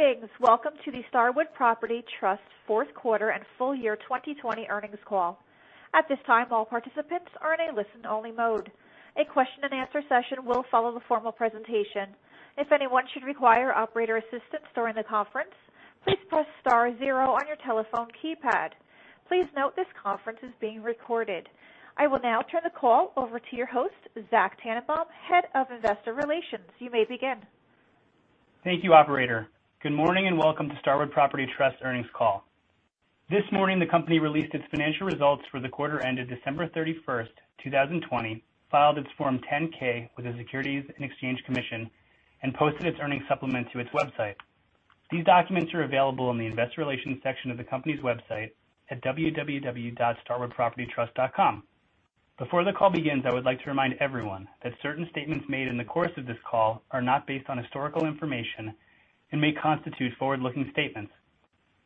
Greetings. Welcome to the Starwood Property Trust fourth quarter and full year 2020 earnings call. At this time, all participants are in a listen-only mode. A question-and-answer session will follow the formal presentation. If anyone should require operator assistance during the conference, please press star zero on your telephone keypad. Please note this conference is being recorded. I will now turn the call over to your host, Zach Tanenbaum, head of investor relations. You may begin. Thank you, operator. Good morning and welcome to Starwood Property Trust earnings call. This morning, the company released its financial results for the quarter ended December 31st, 2020, filed its Form 10-K with the Securities and Exchange Commission, and posted its earnings supplement to its website. These documents are available in the investor relations section of the company's website at www.starwoodpropertytrust.com. Before the call begins, I would like to remind everyone that certain statements made in the course of this call are not based on historical information and may constitute forward-looking statements.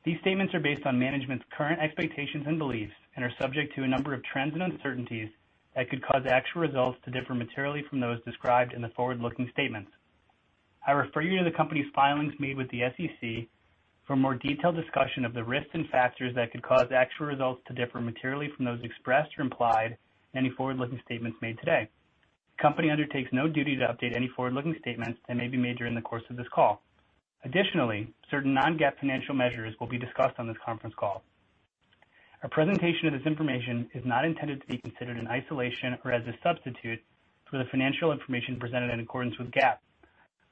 These statements are based on management's current expectations and beliefs and are subject to a number of trends and uncertainties that could cause actual results to differ materially from those described in the forward-looking statements. I refer you to the company's filings made with the SEC for a more detailed discussion of the risks and factors that could cause actual results to differ materially from those expressed or implied in any forward-looking statements made today. The company undertakes no duty to update any forward-looking statements that may be made during the course of this call. Additionally, certain non-GAAP financial measures will be discussed on this conference call. Our presentation of this information is not intended to be considered in isolation or as a substitute for the financial information presented in accordance with GAAP.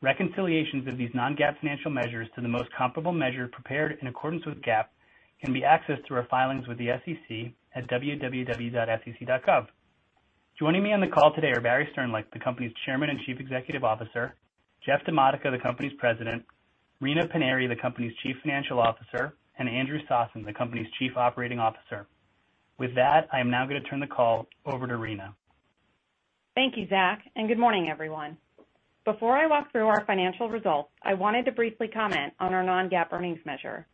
Reconciliations of these non-GAAP financial measures to the most comparable measure prepared in accordance with GAAP can be accessed through our filings with the SEC at www.sec.gov. Joining me on the call today are Barry Sternlicht, the company's Chairman and Chief Executive Officer, Jeff DiModica, the company's President, Rina Paniry, the company's Chief Financial Officer, and Andrew Sossen, the company's Chief Operating Officer. With that, I am now going to turn the call over to Rina. Thank you, Zack, and good morning, everyone. Before I walk through our financial results, I wanted to briefly comment on our non-GAAP earnings measure.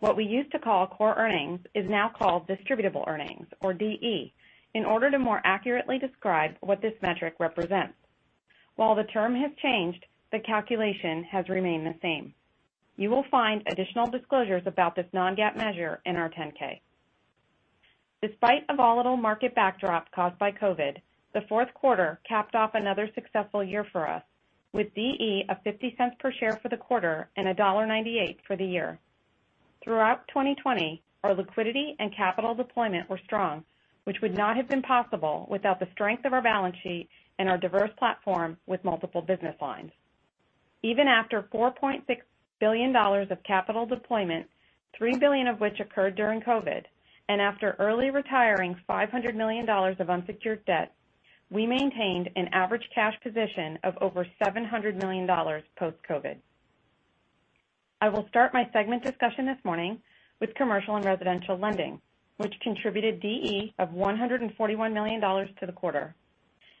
What we used to call core earnings is now called distributable earnings, or DE, in order to more accurately describe what this metric represents. While the term has changed, the calculation has remained the same. You will find additional disclosures about this non-GAAP measure in our 10-K. Despite a volatile market backdrop caused by COVID, the fourth quarter capped off another successful year for us, with DE of $0.50 per share for the quarter and $1.98 for the year. Throughout 2020, our liquidity and capital deployment were strong, which would not have been possible without the strength of our balance sheet and our diverse platform with multiple business lines. Even after $4.6 billion of capital deployment, $3 billion of which occurred during COVID, and after early retiring $500 million of unsecured debt, we maintained an average cash position of over $700 million post-COVID. I will start my segment discussion this morning with commercial and residential lending, which contributed DE of $141 million to the quarter.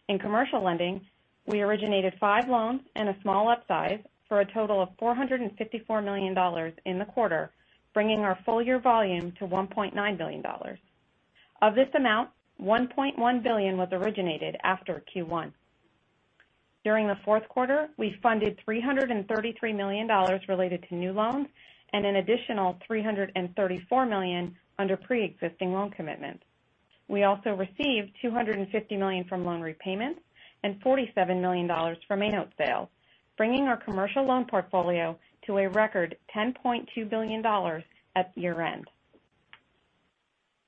In commercial lending, we originated five loans and a small upsize for a total of $454 million in the quarter, bringing our full year volume to $1.9 billion. Of this amount, $1.1 billion was originated after Q1. During the fourth quarter, we funded $333 million related to new loans and an additional $334 million under pre-existing loan commitments. We also received $250 million from loan repayments and $47 million from annual sales, bringing our commercial loan portfolio to a record $10.2 billion at year-end.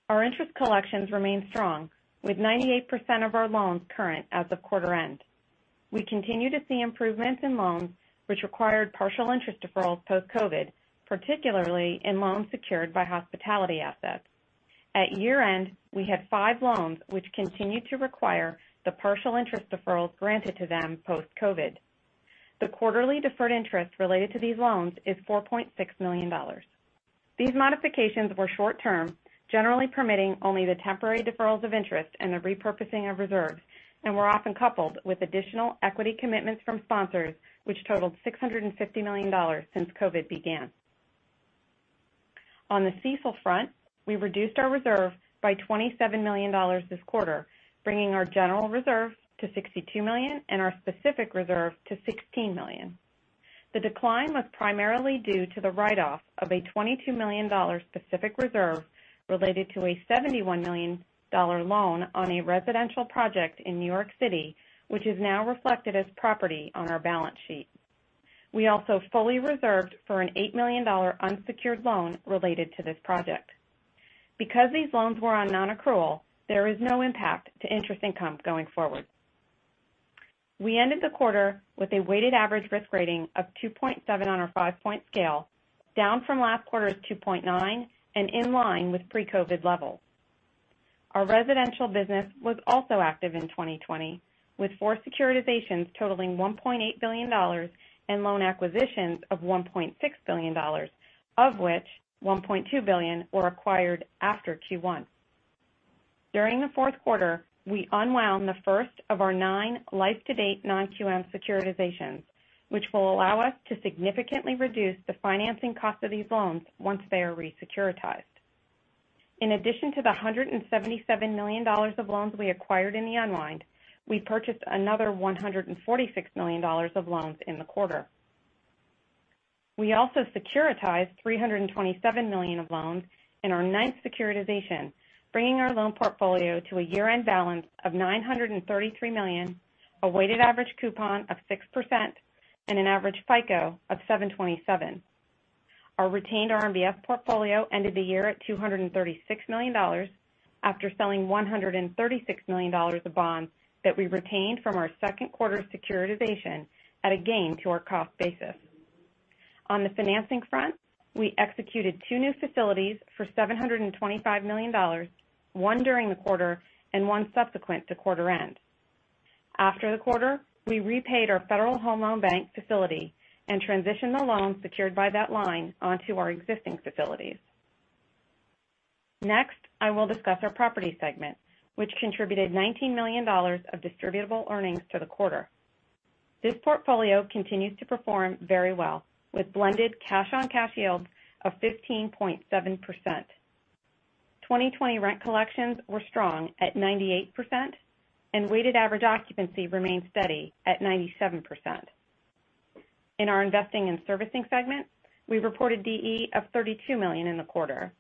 Our interest collections remain strong, with 98% of our loans current as of quarter end. We continue to see improvements in loans, which required partial interest deferrals post-COVID, particularly in loans secured by hospitality assets. At year-end, we had five loans which continued to require the partial interest deferrals granted to them post-COVID. The quarterly deferred interest related to these loans is $4.6 million. These modifications were short-term, generally permitting only the temporary deferrals of interest and the repurposing of reserves, and were often coupled with additional equity commitments from sponsors, which totaled $650 million since COVID began. On the CECL front, we reduced our reserve by $27 million this quarter, bringing our general reserve to $62 million and our specific reserve to $16 million. The decline was primarily due to the write-off of a $22 million specific reserve related to a $71 million loan on a residential project in New York City, which is now reflected as property on our balance sheet. We also fully reserved for an $8 million unsecured loan related to this project. Because these loans were on non-accrual, there is no impact to interest income going forward. We ended the quarter with a weighted average risk rating of 2.7 on our five-point scale, down from last quarter's 2.9 and in line with pre-COVID levels. Our residential business was also active in 2020, with four securitizations totaling $1.8 billion and loan acquisitions of $1.6 billion, of which $1.2 billion were acquired after Q1. During the fourth quarter, we unwound the first of our nine life-to-date non-QM securitizations, which will allow us to significantly reduce the financing cost of these loans once they are resecuritized. In addition to the $177 million of loans we acquired in the unwind, we purchased another $146 million of loans in the quarter. We also securitized $327 million of loans in our ninth securitization, bringing our loan portfolio to a year-end balance of $933 million, a weighted average coupon of 6%, and an average FICO of 727. Our retained RMBS portfolio ended the year at $236 million after selling $136 million of bonds that we retained from our second quarter securitization at a gain to our cost basis. On the financing front, we executed two new facilities for $725 million, one during the quarter and one subsequent to quarter end. After the quarter, we repaid our Federal Home Loan Bank facility and transitioned the loans secured by that line onto our existing facilities. Next, I will discuss our property segment, which contributed $19 million of distributable earnings to the quarter. This portfolio continues to perform very well, with blended cash-on-cash yields of 15.7%. 2020 rent collections were strong at 98%, and weighted average occupancy remained steady at 97%. In our investing and servicing segment, we reported DE of $32 million in the quarter.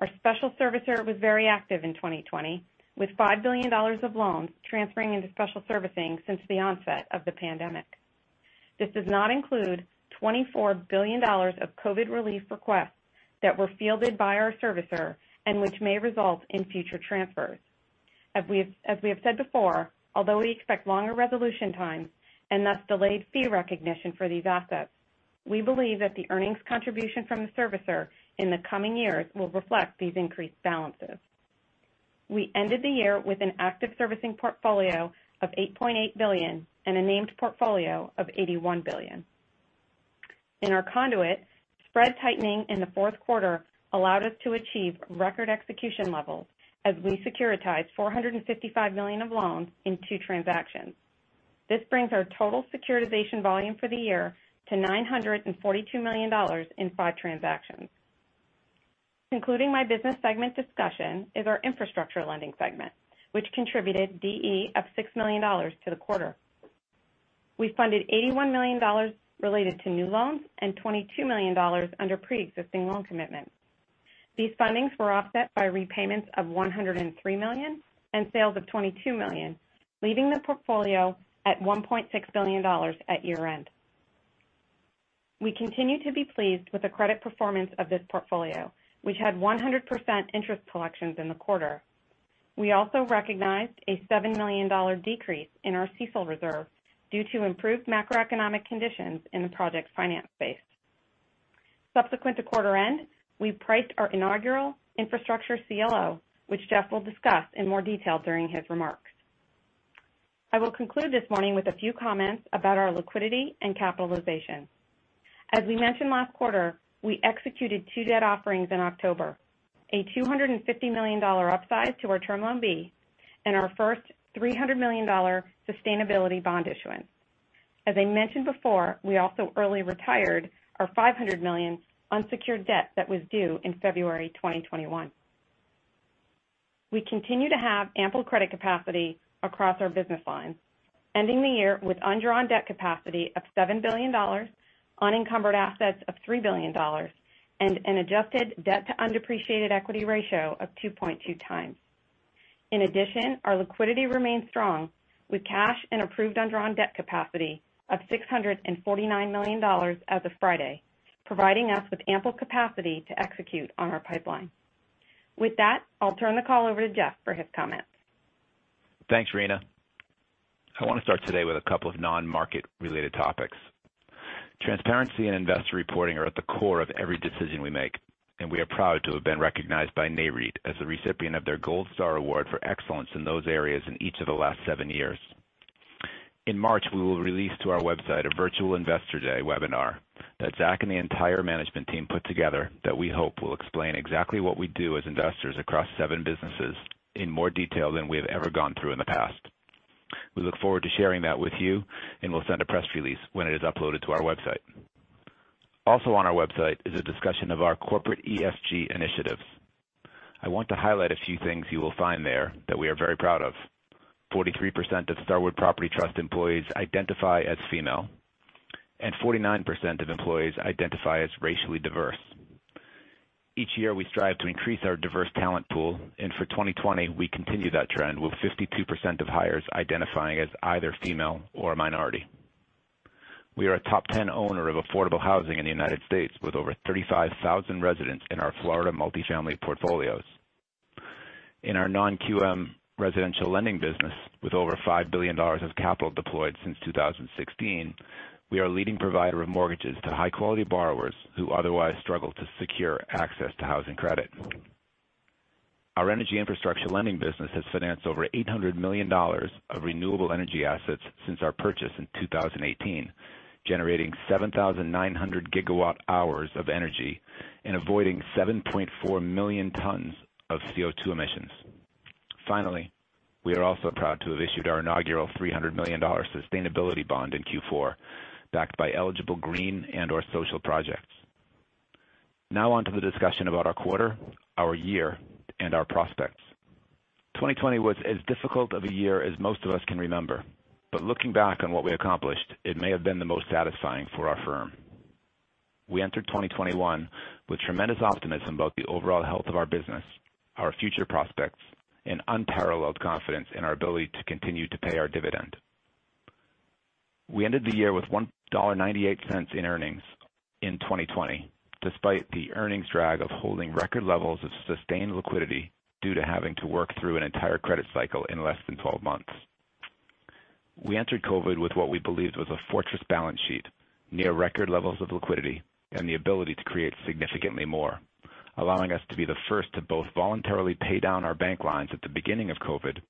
Our special servicer was very active in 2020, with $5 billion of loans transferring into special servicing since the onset of the pandemic. This does not include $24 billion of COVID relief requests that were fielded by our servicer and which may result in future transfers. As we have said before, although we expect longer resolution times and thus delayed fee recognition for these assets, we believe that the earnings contribution from the servicer in the coming years will reflect these increased balances. We ended the year with an active servicing portfolio of $8.8 billion and a non-agency portfolio of $81 billion. In our conduit, spread tightening in the fourth quarter allowed us to achieve record execution levels as we securitized $455 million of loans in two transactions. This brings our total securitization volume for the year to $942 million in five transactions. Concluding my business segment discussion is our infrastructure lending segment, which contributed DE of $6 million to the quarter. We funded $81 million related to new loans and $22 million under pre-existing loan commitments. These fundings were offset by repayments of $103 million and sales of $22 million, leaving the portfolio at $1.6 billion at year-end. We continue to be pleased with the credit performance of this portfolio, which had 100% interest collections in the quarter. We also recognized a $7 million decrease in our CECL reserve due to improved macroeconomic conditions in the project finance space. Subsequent to quarter end, we priced our inaugural infrastructure CLO, which Jeff will discuss in more detail during his remarks. I will conclude this morning with a few comments about our liquidity and capitalization. As we mentioned last quarter, we executed two debt offerings in October, a $250 million upsized to our Term Loan B and our first $300 million sustainability bond issuance. As I mentioned before, we also early retired our $500 million unsecured debt that was due in February 2021. We continue to have ample credit capacity across our business lines, ending the year with undrawn debt capacity of $7 billion, unencumbered assets of $3 billion, and an adjusted debt-to-undepreciated equity ratio of 2.2 times. In addition, our liquidity remains strong, with cash and approved undrawn debt capacity of $649 million as of Friday, providing us with ample capacity to execute on our pipeline. With that, I'll turn the call over to Jeff for his comments. Thanks, Rina. I want to start today with a couple of non-market-related topics. Transparency and investor reporting are at the core of every decision we make, and we are proud to have been recognized by NAREIT as the recipient of their Gold Star Award for excellence in those areas in each of the last seven years. In March, we will release to our website a Virtual Investor Day webinar that Zack and the entire management team put together that we hope will explain exactly what we do as investors across seven businesses in more detail than we have ever gone through in the past. We look forward to sharing that with you and will send a press release when it is uploaded to our website. Also on our website is a discussion of our corporate ESG initiatives. I want to highlight a few things you will find there that we are very proud of. 43% of Starwood Property Trust employees identify as female, and 49% of employees identify as racially diverse. Each year, we strive to increase our diverse talent pool, and for 2020, we continue that trend with 52% of hires identifying as either female or a minority. We are a top-10 owner of affordable housing in the United States, with over 35,000 residents in our Florida multifamily portfolios. In our non-QM residential lending business, with over $5 billion of capital deployed since 2016, we are a leading provider of mortgages to high-quality borrowers who otherwise struggle to secure access to housing credit. Our energy infrastructure lending business has financed over $800 million of renewable energy assets since our purchase in 2018, generating 7,900 gigawatt-hours of energy and avoiding 7.4 million tons of CO2 emissions. Finally, we are also proud to have issued our inaugural $300 million sustainability bond in Q4, backed by eligible green and/or social projects. Now on to the discussion about our quarter, our year, and our prospects. 2020 was as difficult of a year as most of us can remember, but looking back on what we accomplished, it may have been the most satisfying for our firm. We entered 2021 with tremendous optimism about the overall health of our business, our future prospects, and unparalleled confidence in our ability to continue to pay our dividend. We ended the year with $1.98 in earnings in 2020, despite the earnings drag of holding record levels of sustained liquidity due to having to work through an entire credit cycle in less than 12 months. We entered COVID with what we believed was a fortress balance sheet, near record levels of liquidity, and the ability to create significantly more, allowing us to be the first to both voluntarily pay down our bank lines at the beginning of COVID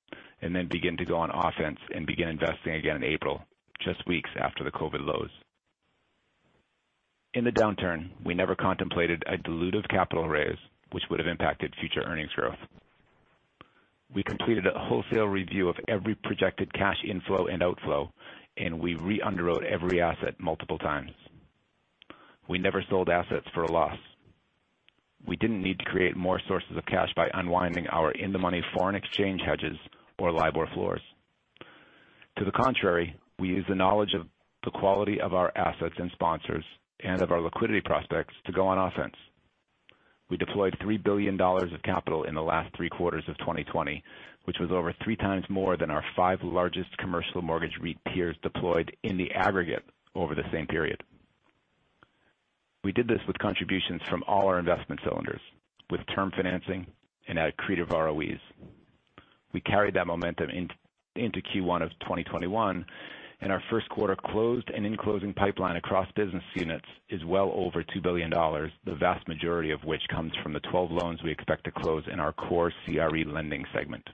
and then begin to go on offense and begin investing again in April, just weeks after the COVID lows. In the downturn, we never contemplated a dilutive capital raise, which would have impacted future earnings growth. We completed a wholesale review of every projected cash inflow and outflow, and we re-underwrote every asset multiple times. We never sold assets for a loss. We didn't need to create more sources of cash by unwinding our in-the-money foreign exchange hedges or LIBOR floors. To the contrary, we used the knowledge of the quality of our assets and sponsors and of our liquidity prospects to go on offense. We deployed $3 billion of capital in the last three quarters of 2020, which was over three times more than our five largest commercial mortgage lenders deployed in the aggregate over the same period. We did this with contributions from all our investment silos, with term financing and at attractive ROEs. We carried that momentum into Q1 of 2021, and our first quarter closed and in-closing pipeline across business units is well over $2 billion, the vast majority of which comes from the 12 loans we expect to close in our core CRE lending segment.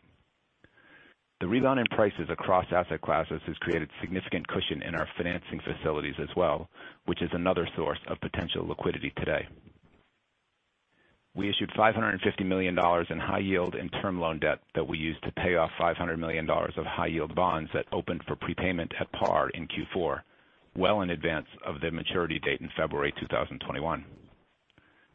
The rebound in prices across asset classes has created significant cushion in our financing facilities as well, which is another source of potential liquidity today. We issued $550 million in high-yield and term loan debt that we used to pay off $500 million of high-yield bonds that opened for prepayment at par in Q4, well in advance of the maturity date in February 2021.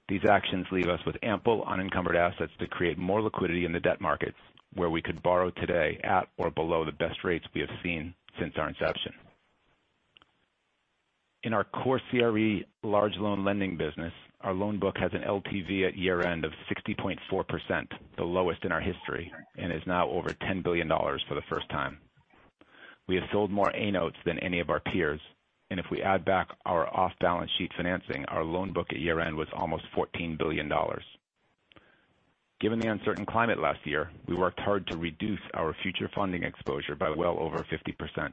These actions leave us with ample unencumbered assets to create more liquidity in the debt markets, where we could borrow today at or below the best rates we have seen since our inception. In our core CRE large loan lending business, our loan book has an LTV at year-end of 60.4%, the lowest in our history, and is now over $10 billion for the first time. We have sold more A-notes than any of our peers, and if we add back our off-balance sheet financing, our loan book at year-end was almost $14 billion. Given the uncertain climate last year, we worked hard to reduce our future funding exposure by well over 50%.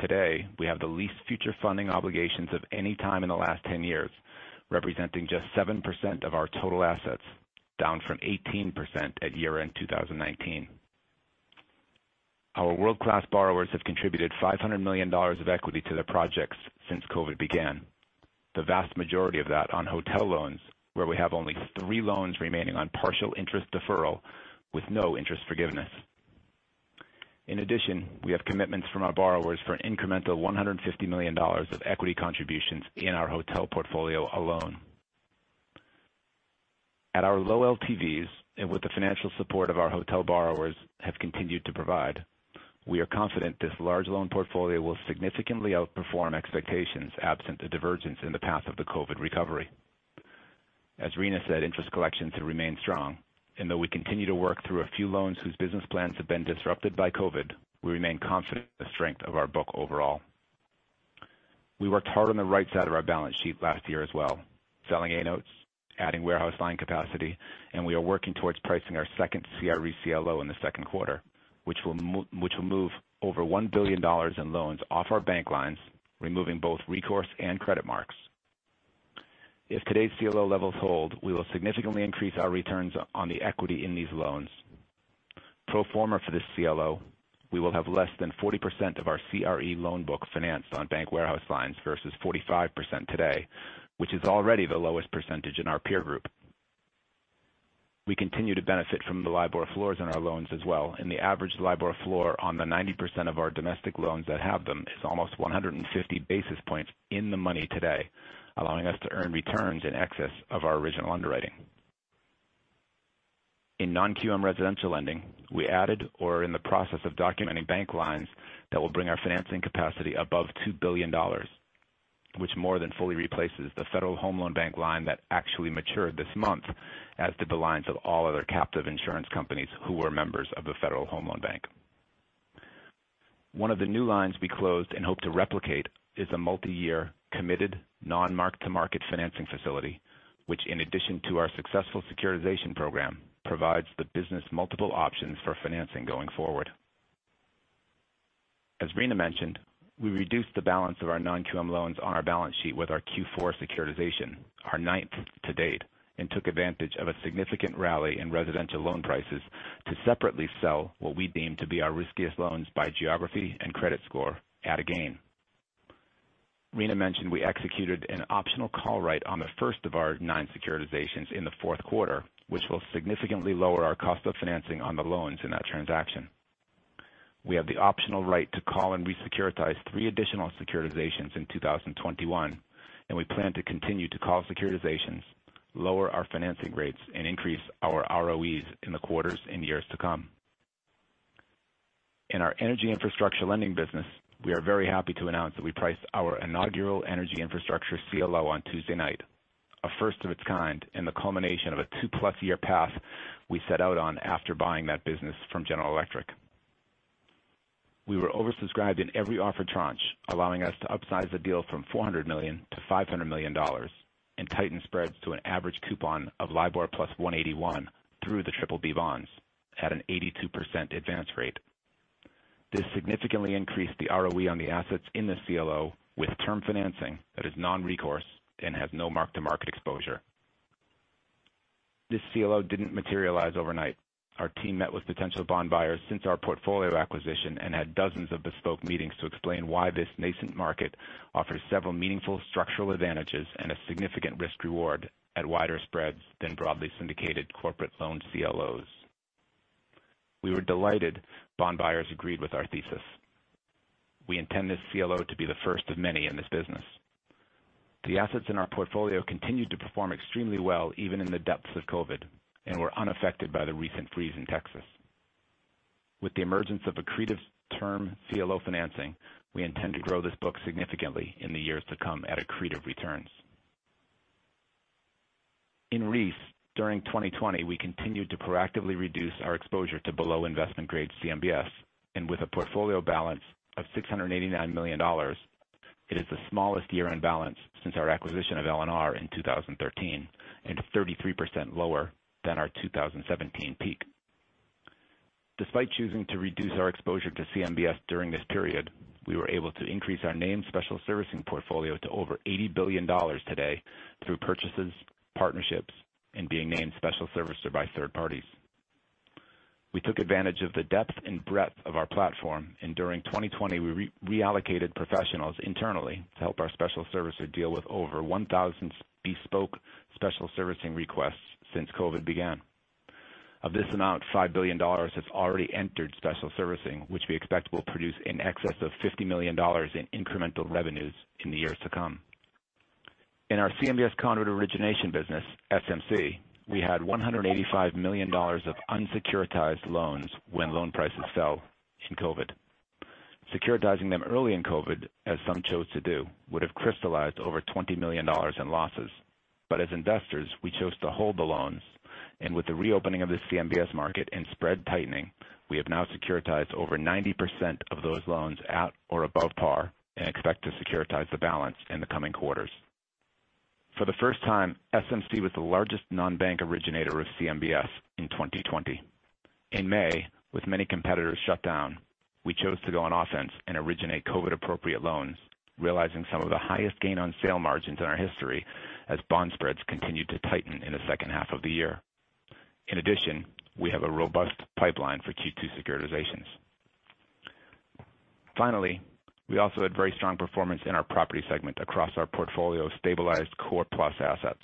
Today, we have the least future funding obligations of any time in the last 10 years, representing just 7% of our total assets, down from 18% at year-end 2019. Our world-class borrowers have contributed $500 million of equity to their projects since COVID began, the vast majority of that on hotel loans, where we have only three loans remaining on partial interest deferral with no interest forgiveness. In addition, we have commitments from our borrowers for an incremental $150 million of equity contributions in our hotel portfolio alone. At our low LTVs and with the financial support of our hotel borrowers have continued to provide, we are confident this large loan portfolio will significantly outperform expectations absent the divergence in the path of the COVID recovery. As Rina said, interest collections have remained strong, and though we continue to work through a few loans whose business plans have been disrupted by COVID, we remain confident in the strength of our book overall. We worked hard on the right side of our balance sheet last year as well, selling A-notes, adding warehouse line capacity, and we are working towards pricing our second CRE CLO in the second quarter, which will move over $1 billion in loans off our bank lines, removing both recourse and credit marks. If today's CLO levels hold, we will significantly increase our returns on the equity in these loans. Pro forma for this CLO, we will have less than 40% of our CRE loan book financed on bank warehouse lines versus 45% today, which is already the lowest percentage in our peer group. We continue to benefit from the Libor floors in our loans as well, and the average Libor floor on the 90% of our domestic loans that have them is almost 150 basis points in the money today, allowing us to earn returns in excess of our original underwriting. In non-QM residential lending, we added or are in the process of documenting bank lines that will bring our financing capacity above $2 billion, which more than fully replaces the Federal Home Loan Bank line that actually matured this month as did the lines of all other captive insurance companies who were members of the Federal Home Loan Bank. One of the new lines we closed and hope to replicate is a multi-year committed non-marked-to-market financing facility, which, in addition to our successful securitization program, provides the business multiple options for financing going forward. As Rina mentioned, we reduced the balance of our non-QM loans on our balance sheet with our Q4 securitization, our ninth to date, and took advantage of a significant rally in residential loan prices to separately sell what we deem to be our riskiest loans by geography and credit score at a gain. Rina mentioned we executed an optional call right on the first of our nine securitizations in the fourth quarter, which will significantly lower our cost of financing on the loans in that transaction. We have the optional right to call and resecuritize three additional securitizations in 2021, and we plan to continue to call securitizations, lower our financing rates, and increase our ROEs in the quarters and years to come. In our energy infrastructure lending business, we are very happy to announce that we priced our inaugural energy infrastructure CLO on Tuesday night, a first of its kind and the culmination of a two-plus-year path we set out on after buying that business from General Electric. We were oversubscribed in every offered tranche, allowing us to upsize the deal from $400 million to $500 million and tighten spreads to an average coupon of Libor plus 181 through the BBB bonds at an 82% advance rate. This significantly increased the ROE on the assets in the CLO with term financing that is non-recourse and has no mark-to-market exposure. This CLO didn't materialize overnight. Our team met with potential bond buyers since our portfolio acquisition and had dozens of bespoke meetings to explain why this nascent market offers several meaningful structural advantages and a significant risk-reward at wider spreads than broadly syndicated corporate loan CLOs. We were delighted bond buyers agreed with our thesis. We intend this CLO to be the first of many in this business. The assets in our portfolio continued to perform extremely well even in the depths of COVID and were unaffected by the recent freeze in Texas. With the emergence of accretive term CLO financing, we intend to grow this book significantly in the years to come at accretive returns. In brief, during 2020, we continued to proactively reduce our exposure to below investment-grade CMBS, and with a portfolio balance of $689 million, it is the smallest year-end balance since our acquisition of LNR in 2013 and 33% lower than our 2017 peak. Despite choosing to reduce our exposure to CMBS during this period, we were able to increase our named special servicing portfolio to over $80 billion today through purchases, partnerships, and being named special servicer by third parties. We took advantage of the depth and breadth of our platform, and during 2020, we reallocated professionals internally to help our special servicer deal with over 1,000 bespoke special servicing requests since COVID began. Of this amount, $5 billion has already entered special servicing, which we expect will produce in excess of $50 million in incremental revenues in the years to come. In our CMBS conduit origination business, SMC, we had $185 million of unsecuritized loans when loan prices fell in COVID. Securitizing them early in COVID, as some chose to do, would have crystallized over $20 million in losses, but as investors, we chose to hold the loans, and with the reopening of the CMBS market and spread tightening, we have now securitized over 90% of those loans at or above par and expect to securitize the balance in the coming quarters. For the first time, SMC was the largest non-bank originator of CMBS in 2020. In May, with many competitors shut down, we chose to go on offense and originate COVID-appropriate loans, realizing some of the highest gain-on-sale margins in our history as bond spreads continued to tighten in the second half of the year. In addition, we have a robust pipeline for Q2 securitizations. Finally, we also had very strong performance in our property segment across our portfolio-stabilized core plus assets.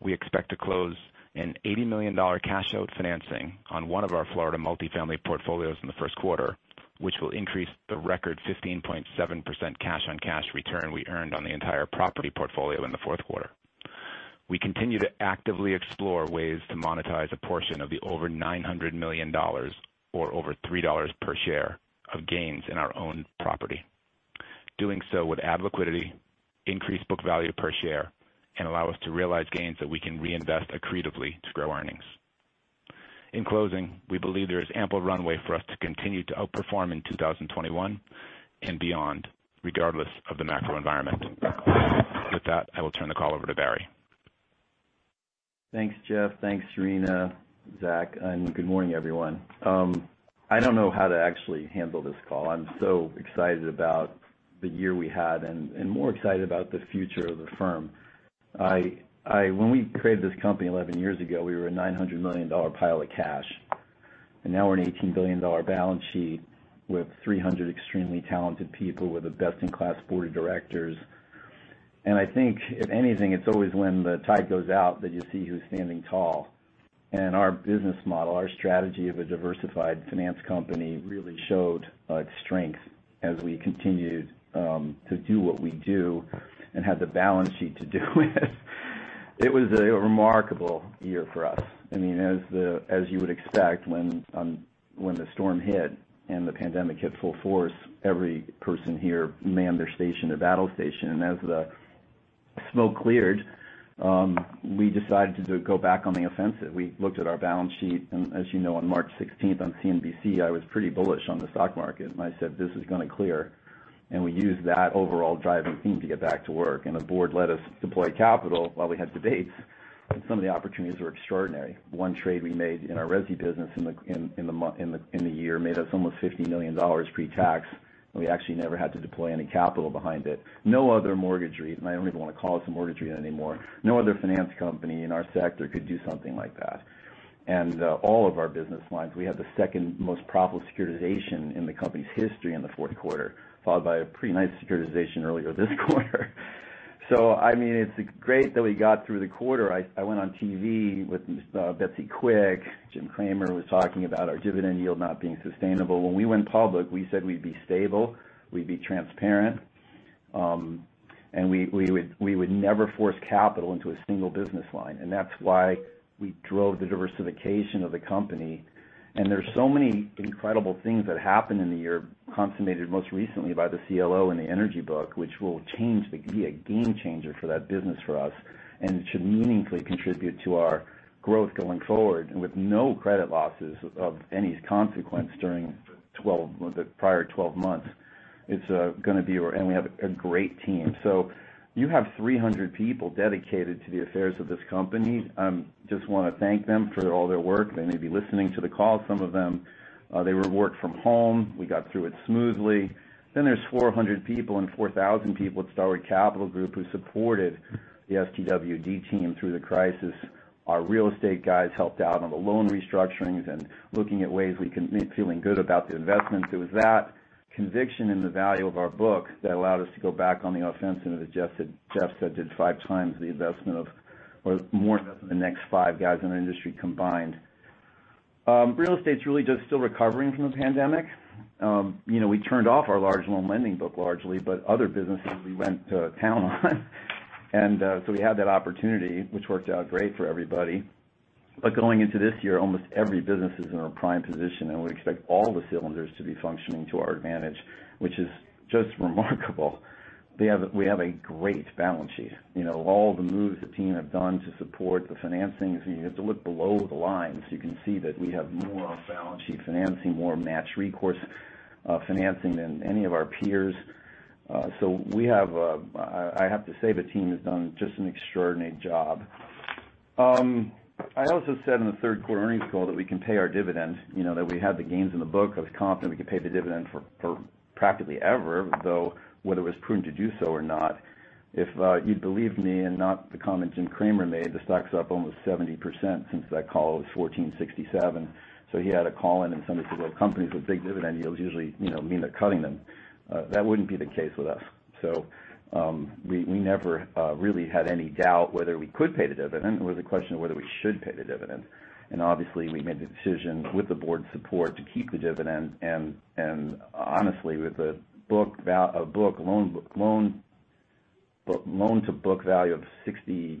We expect to close an $80 million cash-out financing on one of our Florida multifamily portfolios in the first quarter, which will increase the record 15.7% cash-on-cash return we earned on the entire property portfolio in the fourth quarter. We continue to actively explore ways to monetize a portion of the over $900 million or over $3 per share of gains in our own property. Doing so would add liquidity, increase book value per share, and allow us to realize gains that we can reinvest accretively to grow earnings. In closing, we believe there is ample runway for us to continue to outperform in 2021 and beyond, regardless of the macro environment. With that, I will turn the call over to Barry. Thanks, Jeff. Thanks, Rina, Zack, and good morning, everyone. I don't know how to actually handle this call. I'm so excited about the year we had and more excited about the future of the firm. When we created this company 11 years ago, we were a $900 million pile of cash, and now we're an $18 billion balance sheet with 300 extremely talented people, with the best-in-class board of directors. I think, if anything, it's always when the tide goes out that you see who's standing tall. Our business model, our strategy of a diversified finance company, really showed its strength as we continued to do what we do and had the balance sheet to do with. It was a remarkable year for us. I mean, as you would expect, when the storm hit and the pandemic hit full force, every person here manned their station or battle station. As the smoke cleared, we decided to go back on the offensive. We looked at our balance sheet, and as you know, on March 16th on CNBC, I was pretty bullish on the stock market, and I said, "This is going to clear." We used that overall driving theme to get back to work, and the board let us deploy capital while we had debates, and some of the opportunities were extraordinary. One trade we made in our resi business in the year made us almost $50 million pre-tax, and we actually never had to deploy any capital behind it. No other mortgage REIT, and I don't even want to call it a mortgage REIT anymore, no other finance company in our sector could do something like that. All of our business lines, we had the second most profitable securitization in the company's history in the fourth quarter, followed by a pretty nice securitization earlier this quarter. So, I mean, it's great that we got through the quarter. I went on TV with Becky Quick. Jim Cramer was talking about our dividend yield not being sustainable. When we went public, we said we'd be stable, we'd be transparent, and we would never force capital into a single business line, and that's why we drove the diversification of the company. There are so many incredible things that happened in the year, consummated most recently by the CLO and the energy book, which will be a game changer for that business for us, and it should meaningfully contribute to our growth going forward with no credit losses of any consequence during the prior 12 months. It's going to be, and we have a great team. So you have 300 people dedicated to the affairs of this company. I just want to thank them for all their work. They may be listening to the call, some of them. They were working from home. We got through it smoothly. Then there's 400 people and 4,000 people at Starwood Capital Group who supported the STWD team through the crisis. Our real estate guys helped out on the loan restructurings and looking at ways we could feel good about the investments. It was that conviction in the value of our book that allowed us to go back on the offensive, as Jeff said, did five times the investment of, or more investment of the next five guys in the industry combined. Real estate's really just still recovering from the pandemic. We turned off our large loan lending book largely, but other businesses we went to town on, and so we had that opportunity, which worked out great for everybody, but going into this year, almost every business is in a prime position, and we expect all the cylinders to be functioning to our advantage, which is just remarkable. We have a great balance sheet. All the moves the team have done to support the financings, and you have to look below the lines so you can see that we have more balance sheet financing, more match recourse financing than any of our peers, so I have to say the team has done just an extraordinary job. I also said in the third quarter earnings call that we can pay our dividend, that we had the gains in the book. I was confident we could pay the dividend for practically forever, though whether it was prudent to do so or not. If you'd believed me and not the comment Jim Cramer made, the stock's up almost 70% since that call. It was $14.67. So he had a call in, and somebody said, "Well, companies with big dividend yields usually mean they're cutting them." That wouldn't be the case with us. So we never really had any doubt whether we could pay the dividend. It was a question of whether we should pay the dividend. And obviously, we made the decision with the board's support to keep the dividend. And honestly, with a loan-to-book value of 60%,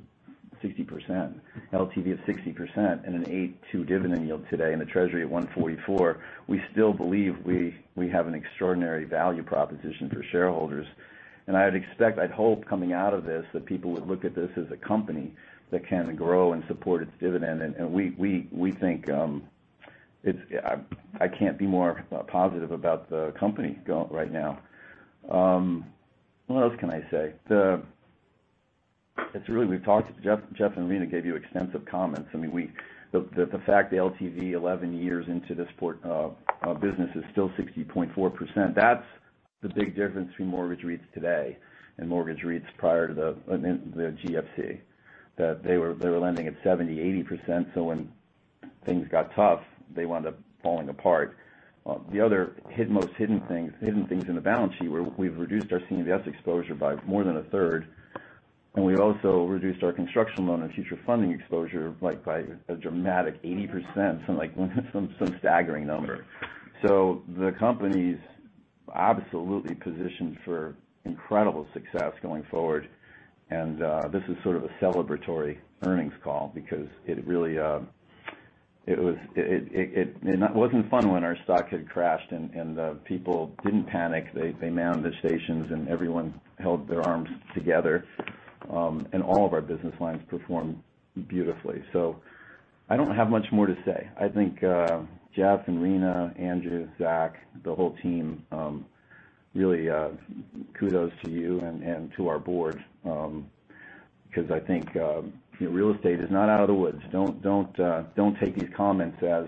LTV of 60%, and an 8.2% dividend yield today, and the Treasury at 1.44, we still believe we have an extraordinary value proposition for shareholders. I'd expect, I'd hope coming out of this, that people would look at this as a company that can grow and support its dividend. We think I can't be more positive about the company right now. What else can I say? We've talked to Jeff, and Rina gave you extensive comments. I mean, the fact that LTV 11 years into this business is still 60.4%, that's the big difference between mortgage rates today and mortgage rates prior to the GFC, that they were lending at 70%-80%. When things got tough, they wound up falling apart. The other most hidden things in the balance sheet were we've reduced our CMBS exposure by more than a third, and we also reduced our construction loan and future funding exposure by a dramatic 80%, some staggering number. The company's absolutely positioned for incredible success going forward. And this is sort of a celebratory earnings call because it really wasn't fun when our stock had crashed, and people didn't panic. They manned the stations, and everyone held their arms together, and all of our business lines performed beautifully. So I don't have much more to say. I think Jeff and Rina, Andrew, Zach, the whole team, really kudos to you and to our board because I think real estate is not out of the woods. Don't take these comments as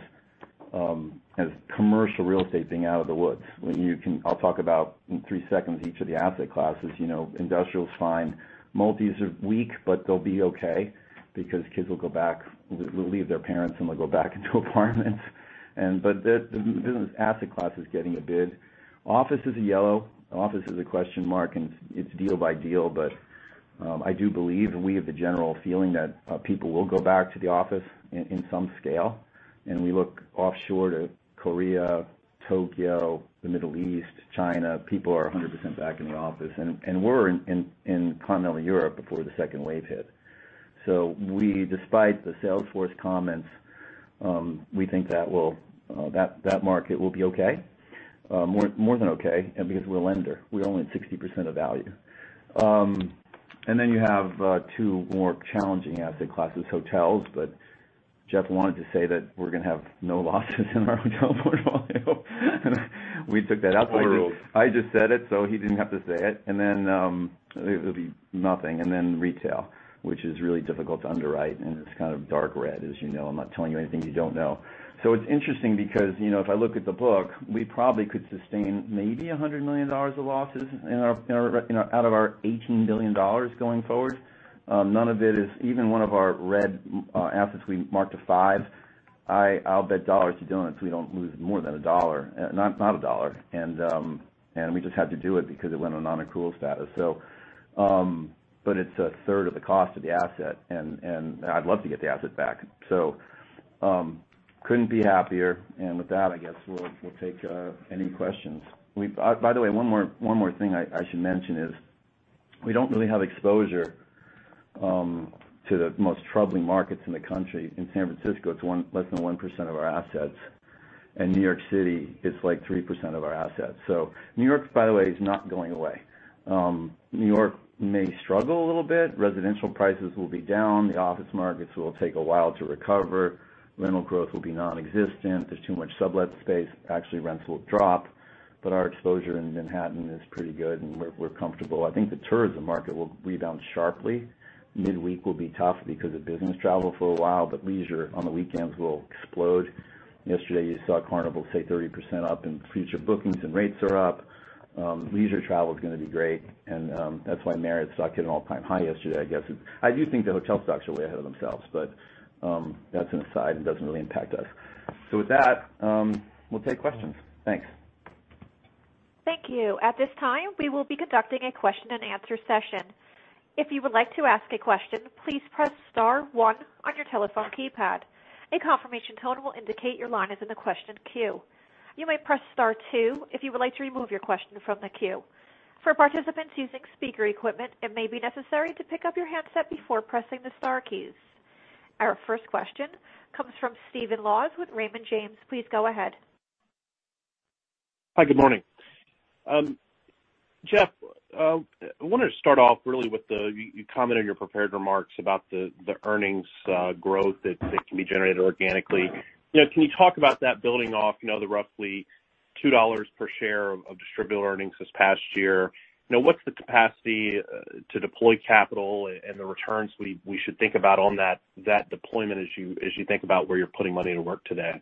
commercial real estate being out of the woods. I'll talk about in three seconds each of the asset classes. Industrial's fine. Multi's are weak, but they'll be okay because kids will go back, will leave their parents, and they'll go back into apartments. But the business asset class is getting a bid. Office is a yellow. Office is a question mark, and it's deal by deal, but I do believe, and we have the general feeling, that people will go back to the office in some scale, and we look offshore to Korea, Tokyo, the Middle East, China. People are 100% back in the office, and we're in continental Europe before the second wave hit, so despite the Salesforce comments, we think that market will be okay, more than okay, because we're a lender. We're only at 60% of value, and then you have two more challenging asset classes, hotels, but Jeff wanted to say that we're going to have no losses in our hotel portfolio. We took that out. I just said it, so he didn't have to say it, and then it'll be nothing, and then retail, which is really difficult to underwrite and is kind of dark red, as you know. I'm not telling you anything you don't know. It's interesting because if I look at the book, we probably could sustain maybe $100 million of losses out of our $18 billion going forward. None of it is even one of our red assets we marked a five. I'll bet dollars to donuts so we don't lose more than a dollar, not a dollar, and we just had to do it because it went on non-accrual status. But it's a third of the cost of the asset, and I'd love to get the asset back. So I couldn't be happier. With that, I guess we'll take any questions. By the way, one more thing I should mention is we don't really have exposure to the most troubling markets in the country. In San Francisco, it's less than 1% of our assets, and New York City, it's like 3% of our assets. So New York, by the way, is not going away. New York may struggle a little bit. Residential prices will be down. The office markets will take a while to recover. Rental growth will be nonexistent. There's too much sublet space. Actually, rents will drop, but our exposure in Manhattan is pretty good, and we're comfortable. I think the tourism market will rebound sharply. Midweek will be tough because of business travel for a while, but leisure on the weekends will explode. Yesterday, you saw Carnival say 30% up, and future bookings and rates are up. Leisure travel is going to be great, and that's why Marriott stock hit an all-time high yesterday, I guess. I do think the hotel stocks are way ahead of themselves, but that's an aside and doesn't really impact us. So with that, we'll take questions. Thanks. Thank you. At this time, we will be conducting a question-and-answer session. If you would like to ask a question, please press Star one on your telephone keypad. A confirmation tone will indicate your line is in the question queue. You may press Star two if you would like to remove your question from the queue. For participants using speaker equipment, it may be necessary to pick up your handset before pressing the Star keys. Our first question comes from Steven Laws with Raymond James. Please go ahead. Hi, good morning. Jeff, I wanted to start off really with your comment and your prepared remarks about the earnings growth that can be generated organically. Can you talk about that building off the roughly $2 per share of distributable earnings this past year? What's the capacity to deploy capital and the returns we should think about on that deployment as you think about where you're putting money to work today?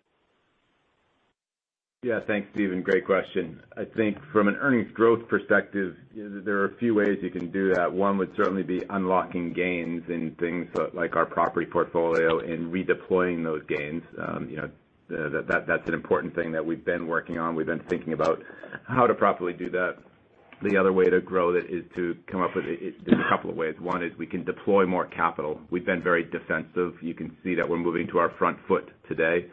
Yeah. Thanks, Steven. Great question. I think from an earnings growth perspective, there are a few ways you can do that. One would certainly be unlocking gains in things like our property portfolio and redeploying those gains. That's an important thing that we've been working on. We've been thinking about how to properly do that. The other way to grow it is to come up with a couple of ways. One is we can deploy more capital. We've been very defensive. You can see that we're moving to our front foot today.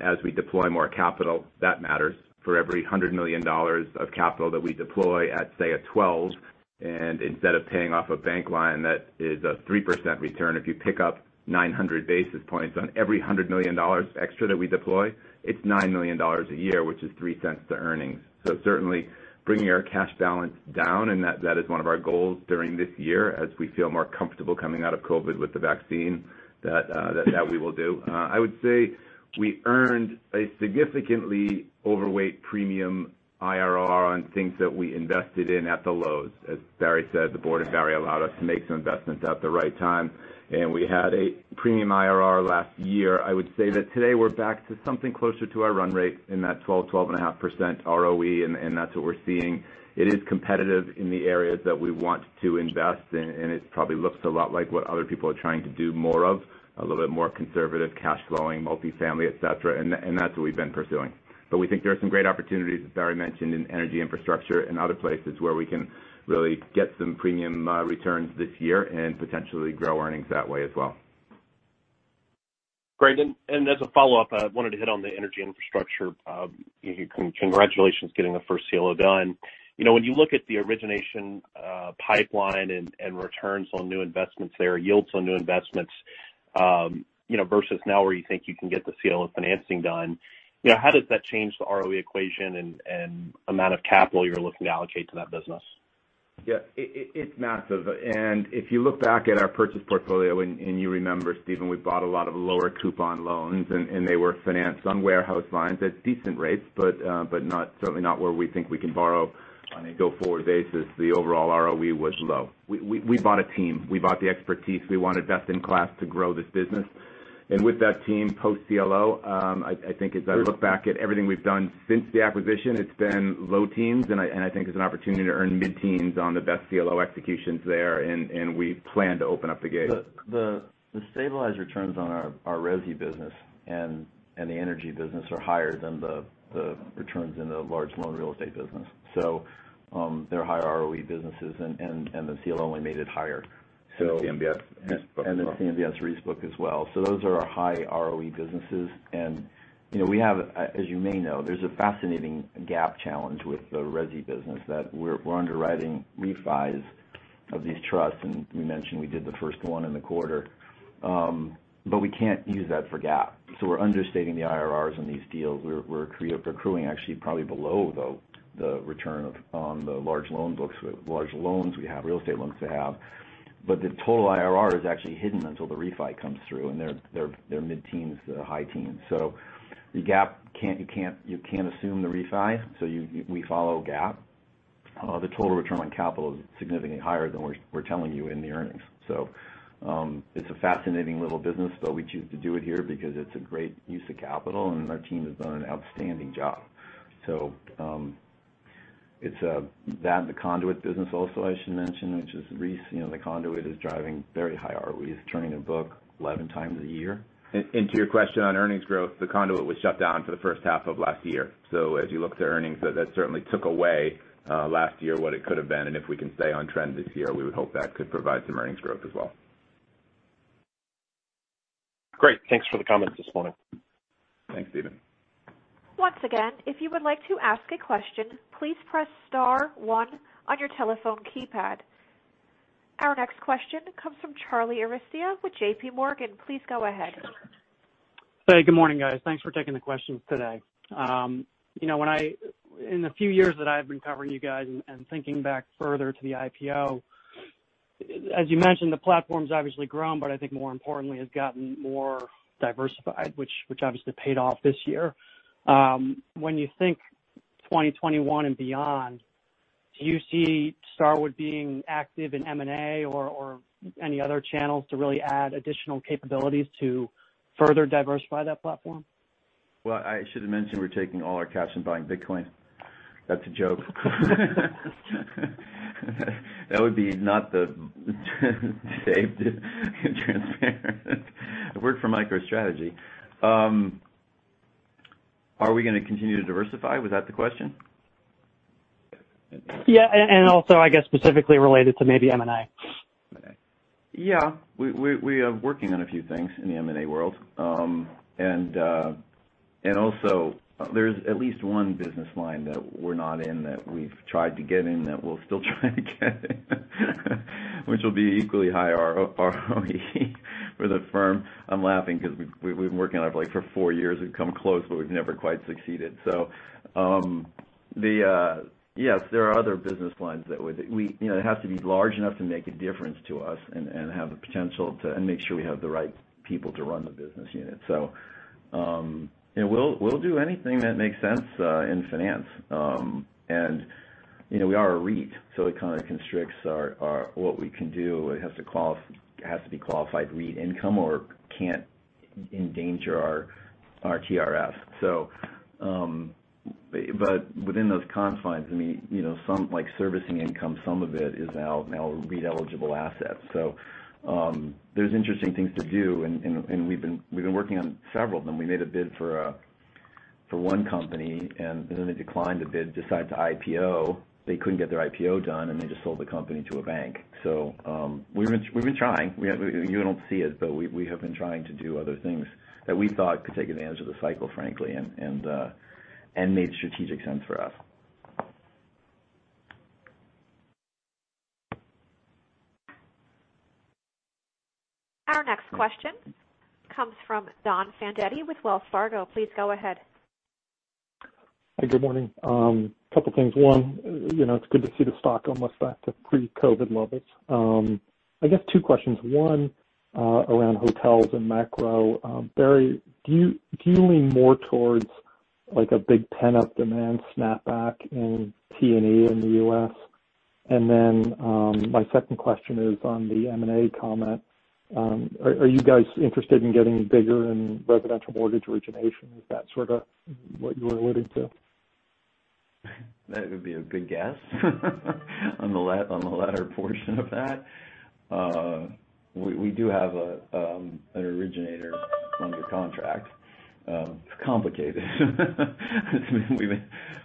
As we deploy more capital, that matters. For every $100 million of capital that we deploy at, say, a 12, and instead of paying off a bank line that is a 3% return, if you pick up 900 basis points on every $100 million extra that we deploy, it's $9 million a year, which is $0.03 to earnings. So certainly, bringing our cash balance down, and that is one of our goals during this year as we feel more comfortable coming out of COVID with the vaccine, that we will do. I would say we earned a significantly overweight premium IRR on things that we invested in at the lows. As Barry said, the board and Barry allowed us to make some investments at the right time, and we had a premium IRR last year. I would say that today we're back to something closer to our run rate in that 12%-12.5% ROE, and that's what we're seeing. It is competitive in the areas that we want to invest, and it probably looks a lot like what other people are trying to do more of, a little bit more conservative cash flowing, multifamily, etc. And that's what we've been pursuing. But we think there are some great opportunities, as Barry mentioned, in energy infrastructure and other places where we can really get some premium returns this year and potentially grow earnings that way as well. Great. And as a follow-up, I wanted to hit on the energy infrastructure. Congratulations getting the first CLO done. When you look at the origination pipeline and returns on new investments there, yields on new investments versus now where you think you can get the CLO financing done, how does that change the ROE equation and amount of capital you're looking to allocate to that business? Yeah. It's massive, and if you look back at our purchase portfolio, and you remember, Steven, we bought a lot of lower coupon loans, and they were financed on warehouse lines at decent rates, but certainly not where we think we can borrow on a go-forward basis. The overall ROE was low. We bought a team. We bought the expertise. We wanted best-in-class to grow this business. And with that team, post-CLO, I think as I look back at everything we've done since the acquisition, it's been low teens, and I think it's an opportunity to earn mid-teens on the best CLO executions there, and we plan to open up the gate. The stabilized returns on our resi business and the energy business are higher than the returns in the large loan real estate business. So they're higher ROE businesses, and the CLO only made it higher. And the CMBS REIT's book as well. So those are our high ROE businesses. And we have, as you may know, there's a fascinating GAAP challenge with the resi business that we're underwriting refis of these trusts, and we mentioned we did the first one in the quarter, but we can't use that for GAAP. So we're understating the IRRs on these deals. We're accruing actually probably below, though, the return on the large loans we have, real estate loans we have. But the total IRR is actually hidden until the refi comes through, and they're mid-teens, high-teens. So you can't assume the refi, so we follow GAAP. The total return on capital is significantly higher than we're telling you in the earnings. So it's a fascinating little business, but we choose to do it here because it's a great use of capital, and our team has done an outstanding job. So it's that, the conduit business also, I should mention, which is REITs. The conduit is driving very high ROEs, turning the book 11 times a year. And to your question on earnings growth, the conduit was shut down for the first half of last year. So as you look to earnings, that certainly took away last year what it could have been. And if we can stay on trend this year, we would hope that could provide some earnings growth as well. Great. Thanks for the comments this morning. Thanks, Steven. Once again, if you would like to ask a question, please press Star 1 on your telephone keypad. Our next question comes from Charlie Arestia with JPMorgan. Please go ahead. Hey, good morning, guys. Thanks for taking the questions today. In the few years that I've been covering you guys and thinking back further to the IPO, as you mentioned, the platform's obviously grown, but I think more importantly has gotten more diversified, which obviously paid off this year. When you think 2021 and beyond, do you see Starwood being active in M&A or any other channels to really add additional capabilities to further diversify that platform? Well, I should have mentioned we're taking all our cash and buying Bitcoin. That's a joke. That would be not the safest and transparent. I work for MicroStrategy. Are we going to continue to diversify? Was that the question? Yeah. And also, I guess specifically related to maybe M&A. Yeah. We are working on a few things in the M&A world. And also, there's at least one business line that we're not in that we've tried to get in that we'll still try to get in, which will be equally high ROE for the firm. I'm laughing because we've been working on it for four years. We've come close, but we've never quite succeeded. So yes, there are other business lines that would have to be large enough to make a difference to us and have the potential to make sure we have the right people to run the business unit. So we'll do anything that makes sense in finance. And we are a REIT, so it kind of constricts what we can do. It has to be qualified REIT income or can't endanger our TRS. But within those confines, I mean, some like servicing income, some of it is now REIT eligible assets. So there's interesting things to do, and we've been working on several of them. We made a bid for one company, and then they declined the bid, decided to IPO. They couldn't get their IPO done, and they just sold the company to a bank. So we've been trying. You don't see it, but we have been trying to do other things that we thought could take advantage of the cycle, frankly, and made strategic sense for us. Our next question comes from Don Fandetti with Wells Fargo. Please go ahead. Hi, good morning. A couple of things. One, it's good to see the stock almost back to pre-COVID levels. I guess two questions. One around hotels and macro. Barry, do you lean more towards a big 10-up demand snapback in T&E in the U.S.? And then my second question is on the M&A comment. Are you guys interested in getting bigger in residential mortgage origination? Is that sort of what you were alluding to? That would be a big guess on the latter portion of that. We do have an originator under contract. It's complicated. We've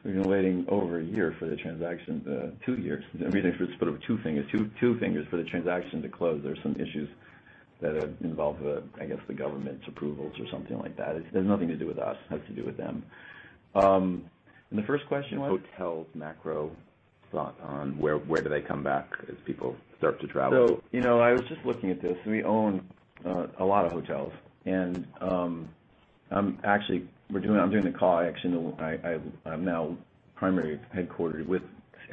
been waiting over a year for the transaction, two years. Everything for the split of two fingers, two fingers for the transaction to close. There are some issues that involve, I guess, the government's approvals or something like that. It has nothing to do with us. It has to do with them. The first question was hotels, macro thought on where do they come back as people start to travel. I was just looking at this. We own a lot of hotels. Actually, I'm doing the call. Actually, I'm now primarily headquartered with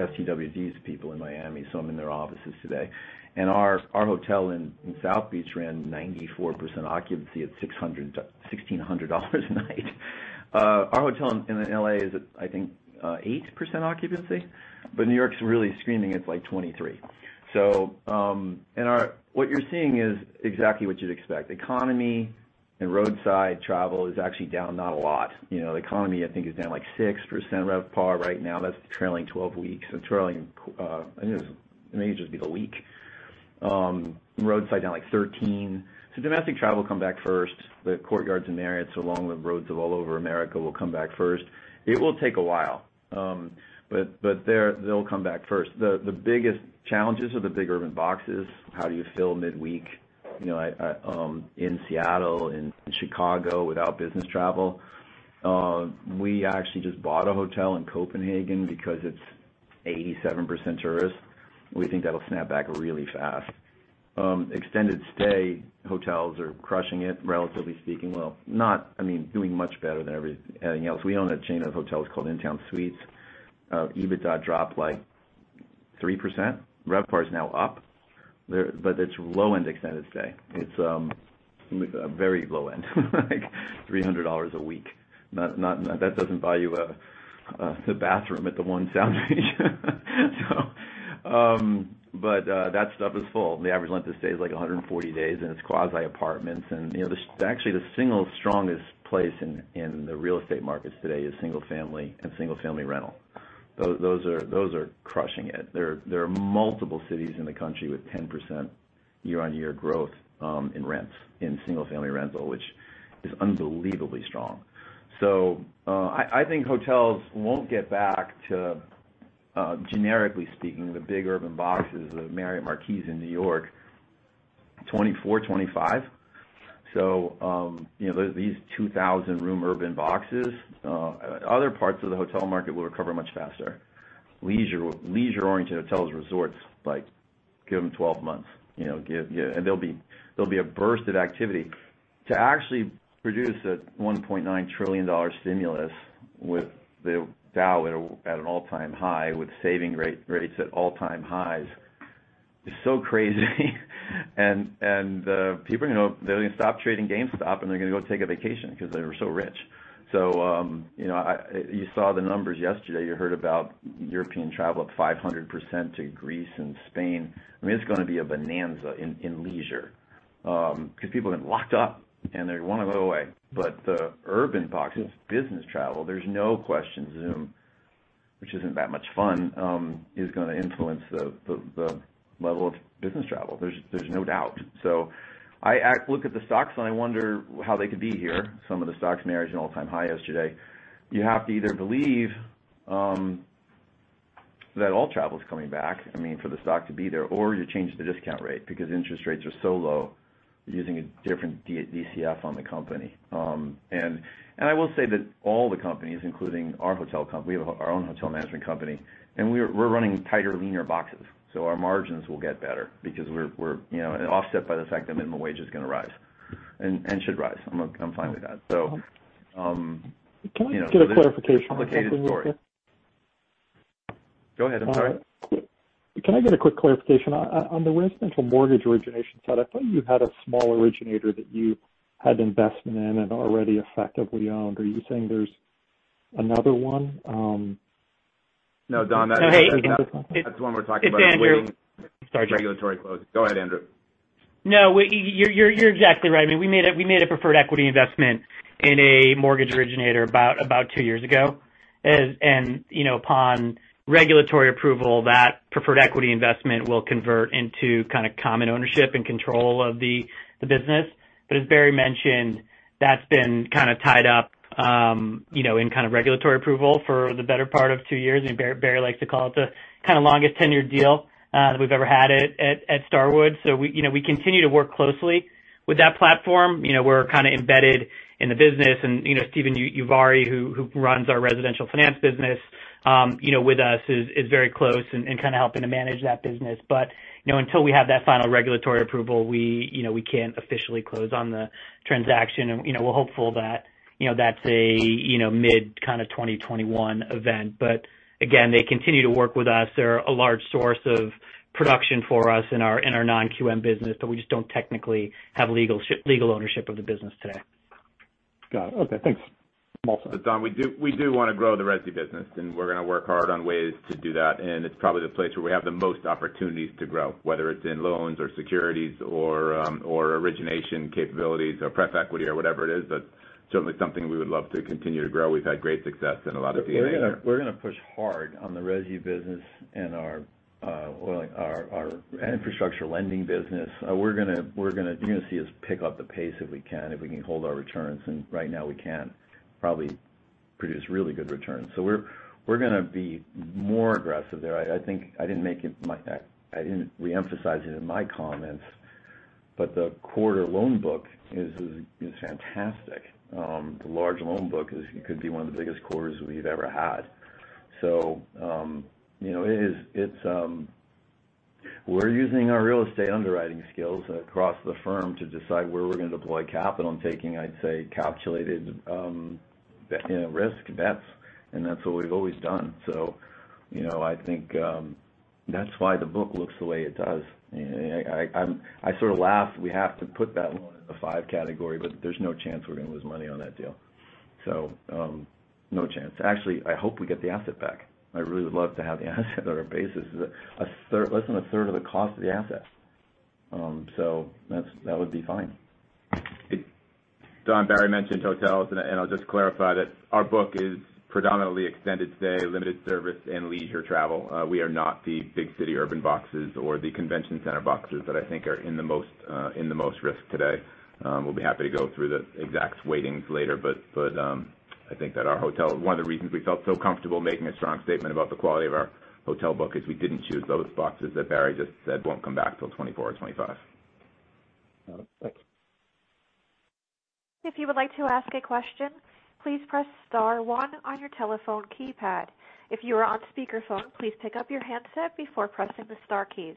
STWD's people in Miami, so I'm in their offices today. Our hotel in South Beach ran 94% occupancy at $1,600 a night. Our hotel in LA is at, I think, 8% occupancy, but New York's really screaming at like 23%. What you're seeing is exactly what you'd expect. Economy and roadside travel is actually down not a lot. The economy, I think, is down like 6% RevPAR right now. That's trailing 12 weeks and trailing, I think it may just be the week. Roadside down like 13%. So domestic travel will come back first. The courtyards and Marriott's along the roads of all over America will come back first. It will take a while, but they'll come back first. The biggest challenges are the big urban boxes. How do you fill midweek in Seattle and Chicago without business travel? We actually just bought a hotel in Copenhagen because it's 87% tourists. We think that'll snap back really fast. Extended stay hotels are crushing it, relatively speaking. Well, not, I mean, doing much better than anything else. We own a chain of hotels called InTown Suites. EBITDA dropped like 3%. RevPAR is now up, but it's low-end extended stay. It's very low-end, like $300 a week. That doesn't buy you a bathroom at the One Sound Beach, but that stuff is full. The average length of stay is like 140 days, and it's quasi-apartments, and actually, the single strongest place in the real estate markets today is single-family and single-family rental. Those are crushing it. There are multiple cities in the country with 10% year-on-year growth in rents in single-family rental, which is unbelievably strong, so I think hotels won't get back to, generically speaking, the big urban boxes of Marriott Marquis in New York, 2024, 2025, so these 2,000-room urban boxes, other parts of the hotel market will recover much faster. Leisure-oriented hotels, resorts. Give them 12 months, and there'll be a burst of activity to actually produce a $1.9 trillion stimulus with the Dow at an all-time high, with savings rates at all-time highs. It's so crazy. People are going to stop trading GameStop, and they're going to go take a vacation because they were so rich. You saw the numbers yesterday. You heard about European travel up 500% to Greece and Spain. I mean, it's going to be a bonanza in leisure because people have been locked up, and they want to go away. The urban boxes, business travel, there's no question Zoom, which isn't that much fun, is going to influence the level of business travel. There's no doubt. I look at the stocks, and I wonder how they could be here. Some of the stocks hit an all-time high yesterday. You have to either believe that all travel is coming back. I mean, for the stock to be there, or you change the discount rate because interest rates are so low. You're using a different DCF on the company. I will say that all the companies, including our hotel company, we have our own hotel management company, and we're running tighter, leaner boxes. Our margins will get better because we're offset by the fact that minimum wage is going to rise and should rise. I'm fine with that. Can I get a clarification on this? Go ahead. I'm sorry. Can I get a quick clarification on the residential mortgage origination side? I thought you had a small originator that you had investment in and already effectively owned. Are you saying there's another one? No, Don, that's one we're talking about. It's regulatory closing. Go ahead, Andrew. No, you're exactly right. I mean, we made a preferred equity investment in a mortgage originator about two years ago. Upon regulatory approval, that preferred equity investment will convert into kind of common ownership and control of the business. But as Barry mentioned, that's been kind of tied up in kind of regulatory approval for the better part of two years. And Barry likes to call it the kind of longest tenured deal that we've ever had at Starwood. So we continue to work closely with that platform. We're kind of embedded in the business. And Steven Ujvary, who runs our residential finance business with us, is very close in kind of helping to manage that business. But until we have that final regulatory approval, we can't officially close on the transaction. And we're hopeful that that's a mid kind of 2021 event. But again, they continue to work with us. They're a large source of production for us in our non-QM business, but we just don't technically have legal ownership of the business today. Got it. Okay. Thanks, Malcolm. But Don, we do want to grow the resi business, and we're going to work hard on ways to do that. It's probably the place where we have the most opportunities to grow, whether it's in loans or securities or origination capabilities or prep equity or whatever it is. Certainly something we would love to continue to grow. We've had great success in a lot of these areas. We're going to push hard on the resi business and our infrastructure lending business. We're going to see us pick up the pace if we can, if we can hold our returns. Right now, we can't probably produce really good returns. We're going to be more aggressive there. I think I didn't make it my—I didn't reemphasize it in my comments, but the quarter loan book is fantastic. The large loan book could be one of the biggest quarters we've ever had, so we're using our real estate underwriting skills across the firm to decide where we're going to deploy capital, taking, I'd say, calculated risk bets. And that's what we've always done, so I think that's why the book looks the way it does. I sort of laugh. We have to put that loan in the five category, but there's no chance we're going to lose money on that deal, so no chance. Actually, I hope we get the asset back. I really would love to have the asset at our basis, less than a third of the cost of the asset, so that would be fine. Don. Barry mentioned hotels, and I'll just clarify that our book is predominantly extended stay, limited service, and leisure travel. We are not the big city urban boxes or the convention center boxes that I think are in the most risk today. We'll be happy to go through the exact weightings later. But I think that our hotel, one of the reasons we felt so comfortable making a strong statement about the quality of our hotel book is we didn't choose those boxes that Barry just said won't come back till 2024 or 2025. Thanks. If you would like to ask a question, please press Star 1 on your telephone keypad. If you are on speakerphone, please pick up your handset before pressing the Star keys.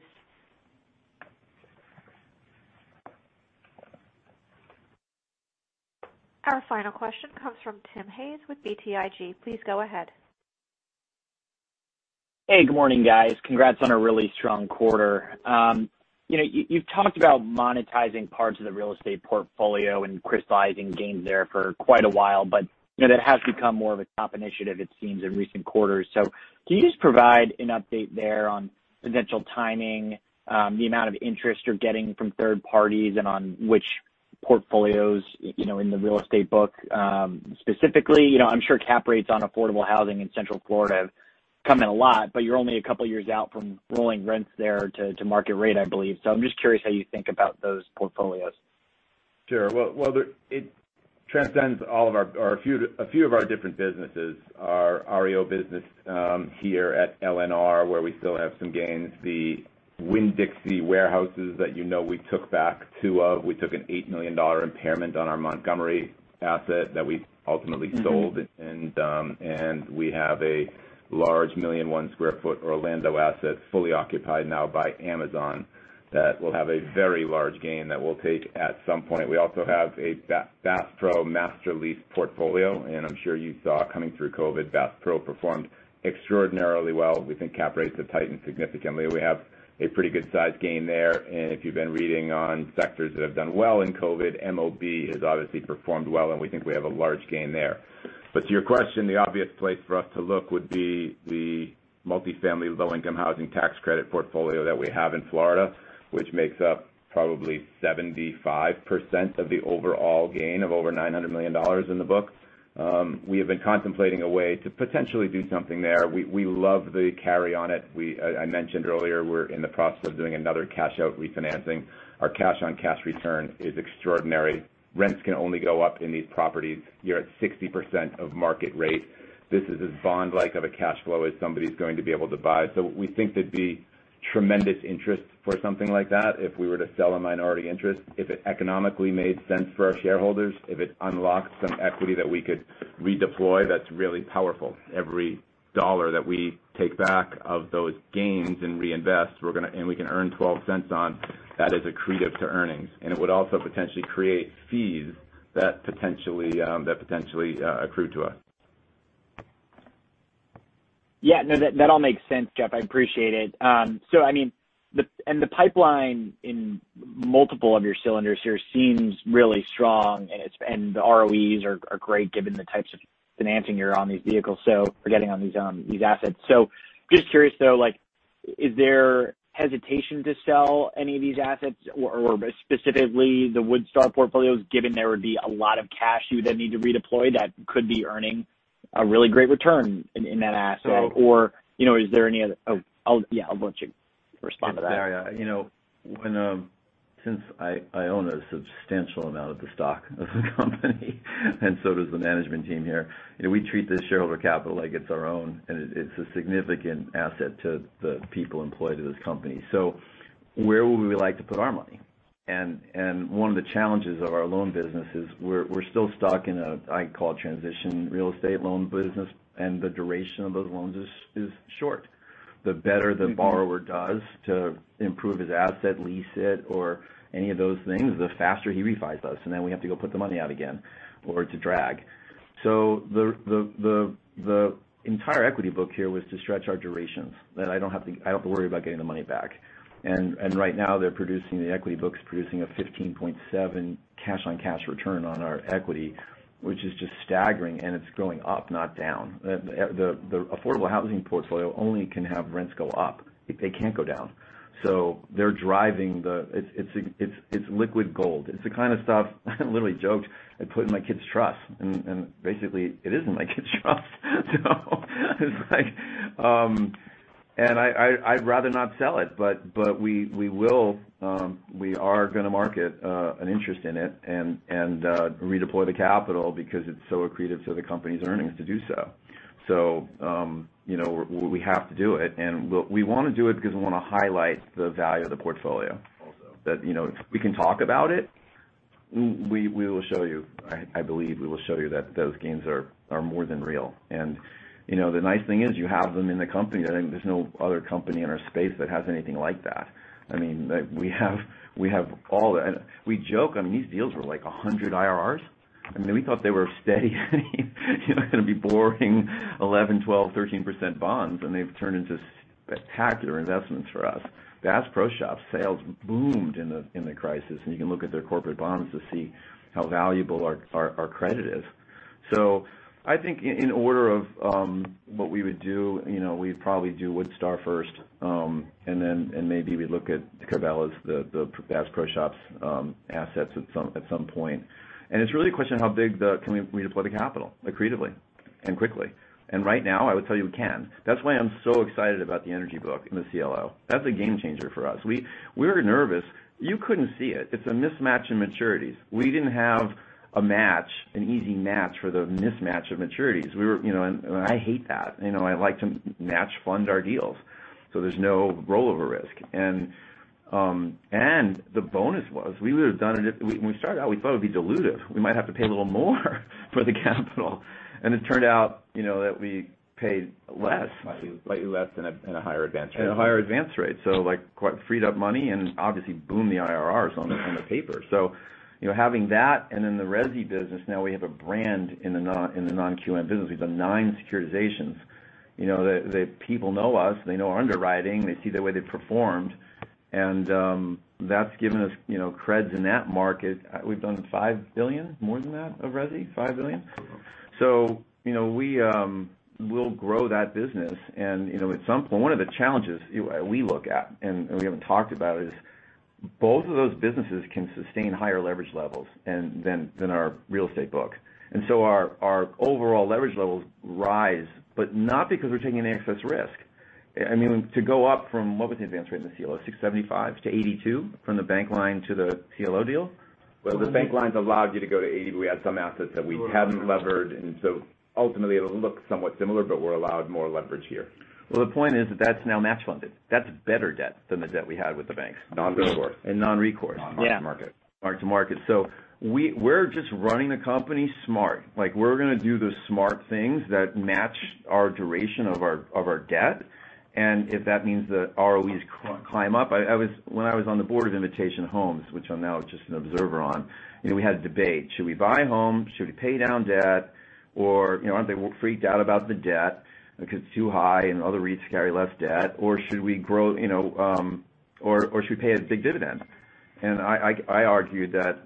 Our final question comes from Tim Hayes with BTIG. Please go ahead. Hey, good morning, guys. Congrats on a really strong quarter. You've talked about monetizing parts of the real estate portfolio and crystallizing gains there for quite a while, but that has become more of a top initiative, it seems, in recent quarters. So can you just provide an update there on potential timing, the amount of interest you're getting from third parties, and on which portfolios in the real estate book specifically? I'm sure cap rates on affordable housing in Central Florida have come in a lot, but you're only a couple of years out from rolling rents there to market rate, I believe. So I'm just curious how you think about those portfolios. Sure. Well, it transcends all of our, or a few of our different businesses. Our REO business here at LNR, where we still have some gains, the Winn-Dixie warehouses that you know we took back two of. We took an $8 million impairment on our Montgomery asset that we ultimately sold. And we have a large 1.1 million sq ft Orlando asset fully occupied now by Amazon that will have a very large gain that we'll take at some point. We also have a Bass Pro Master Lease portfolio, and I'm sure you saw coming through COVID, Bass Pro performed extraordinarily well. We think cap rates have tightened significantly. We have a pretty good size gain there. And if you've been reading on sectors that have done well in COVID, MOB has obviously performed well, and we think we have a large gain there. But to your question, the obvious place for us to look would be the multifamily low-income housing tax credit portfolio that we have in Florida, which makes up probably 75% of the overall gain of over $900 million in the book. We have been contemplating a way to potentially do something there. We love the carry on it. I mentioned earlier we're in the process of doing another cash-out refinancing. Our cash-on-cash return is extraordinary. Rents can only go up in these properties. You're at 60% of market rate. This is as bond-like of a cash flow as somebody's going to be able to buy. So we think there'd be tremendous interest for something like that if we were to sell a minority interest, if it economically made sense for our shareholders, if it unlocked some equity that we could redeploy that's really powerful. Every dollar that we take back of those gains and reinvest, and we can earn 12 cents on, that is accretive to earnings. And it would also potentially create fees that potentially accrue to us. Yeah. No, that all makes sense, Jeff. I appreciate it. I mean, the pipeline in multiple of your cylinders here seems really strong, and the ROEs are great given the types of financing you're on these vehicles. We're getting on these assets. Just curious, though, is there hesitation to sell any of these assets or specifically the Woodstar portfolios, given there would be a lot of cash you would then need to redeploy that could be earning a really great return in that asset? Or is there any other? Yeah, I'll let you respond to that. Yeah. Yeah. Since I own a substantial amount of the stock of the company, and so does the management team here, we treat this shareholder capital like it's our own, and it's a significant asset to the people employed at this company. Where would we like to put our money? One of the challenges of our loan business is we're still stuck in a, I'd call it, transition real estate loan business, and the duration of those loans is short. The better the borrower does to improve his asset, lease it, or any of those things, the faster he refis us, and then we have to go put the money out again, or it's a drag. The entire equity book here was to stretch our durations, that I don't have to worry about getting the money back. Right now, they're producing, the equity book's producing a 15.7 cash-on-cash return on our equity, which is just staggering, and it's going up, not down. The affordable housing portfolio only can have rents go up. They can't go down. They're driving the, it's liquid gold. It's the kind of stuff I literally joked, "I put it in my kid's trust." And basically, it is in my kid's trust. And I'd rather not sell it, but we will - we are going to market an interest in it and redeploy the capital because it's so accretive to the company's earnings to do so. So we have to do it. And we want to do it because we want to highlight the value of the portfolio. Also, if we can talk about it, we will show you - I believe we will show you that those gains are more than real. And the nice thing is you have them in the company. There's no other company in our space that has anything like that. I mean, we have all the - we joke, I mean, these deals were like 100 IRRs. I mean, we thought they were steady, going to be boring 11%, 12%, 13% bonds, and they've turned into spectacular investments for us. Bass Pro Shops's sales boomed in the crisis, and you can look at their corporate bonds to see how valuable our credit is, so I think in order of what we would do, we'd probably do Woodstar first, and then maybe we'd look at Cabela's, the Bass Pro Shops's assets at some point, and it's really a question of how big can we redeploy the capital accretively and quickly, and right now, I would tell you we can. That's why I'm so excited about the energy book and the CLO. That's a game changer for us. We were nervous. You couldn't see it. It's a mismatch in maturities. We didn't have a match, an easy match for the mismatch of maturities, and I hate that. I like to match fund our deals. So there's no rollover risk. And the bonus was we would have done it, when we started out, we thought it would be dilutive. We might have to pay a little more for the capital. And it turned out that we paid less. Slightly less and a higher advance rate. So quite freed up money and obviously boomed the IRRs on the paper. So having that and then the resi business, now we have a brand in the non-QM business. We've done nine securitizations. The people know us. They know our underwriting. They see the way they've performed. And that's given us creds in that market. We've done $5 billion, more than that of resi, $5 billion. So we'll grow that business. At some point, one of the challenges we look at, and we haven't talked about it, is both of those businesses can sustain higher leverage levels than our real estate book. And so our overall leverage levels rise, but not because we're taking any excess risk. I mean, to go up from what was the advance rate in the CLO? 67.5-82 from the bank line to the CLO deal? Well, the bank lines allowed you to go to 80, but we had some assets that we hadn't levered. And so ultimately, it'll look somewhat similar, but we're allowed more leverage here. Well, the point is that that's now match funded. That's better debt than the debt we had with the banks. Non-recourse. And non-recourse. Non-mark-to-market. So we're just running the company smart. We're going to do the smart things that match our duration of our debt. If that means the ROEs climb up, when I was on the board of Invitation Homes, which I'm now just an observer on, we had a debate. Should we buy a home? Should we pay down debt? Or aren't they freaked out about the debt because it's too high and other REITs carry less debt? Or should we grow? Or should we pay a big dividend? I argued that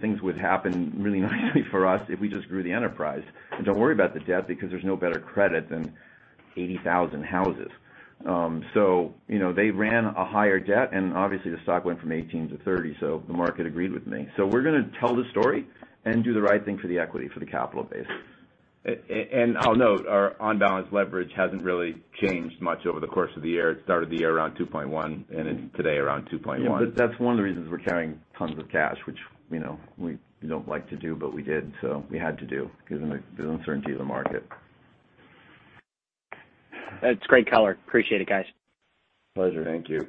things would happen really nicely for us if we just grew the enterprise. Don't worry about the debt because there's no better credit than 80,000 houses. They ran a higher debt, and obviously, the stock went from 18-30. The market agreed with me. We're going to tell the story and do the right thing for the equity, for the capital base. I'll note our on-balance leverage hasn't really changed much over the course of the year. It started the year around 2.1, and today around 2.1. That's one of the reasons we're carrying tons of cash, which we don't like to do, but we did. So we had to do because of the uncertainty of the market. That's great, Cutler. Appreciate it, guys. Pleasure. Thank you.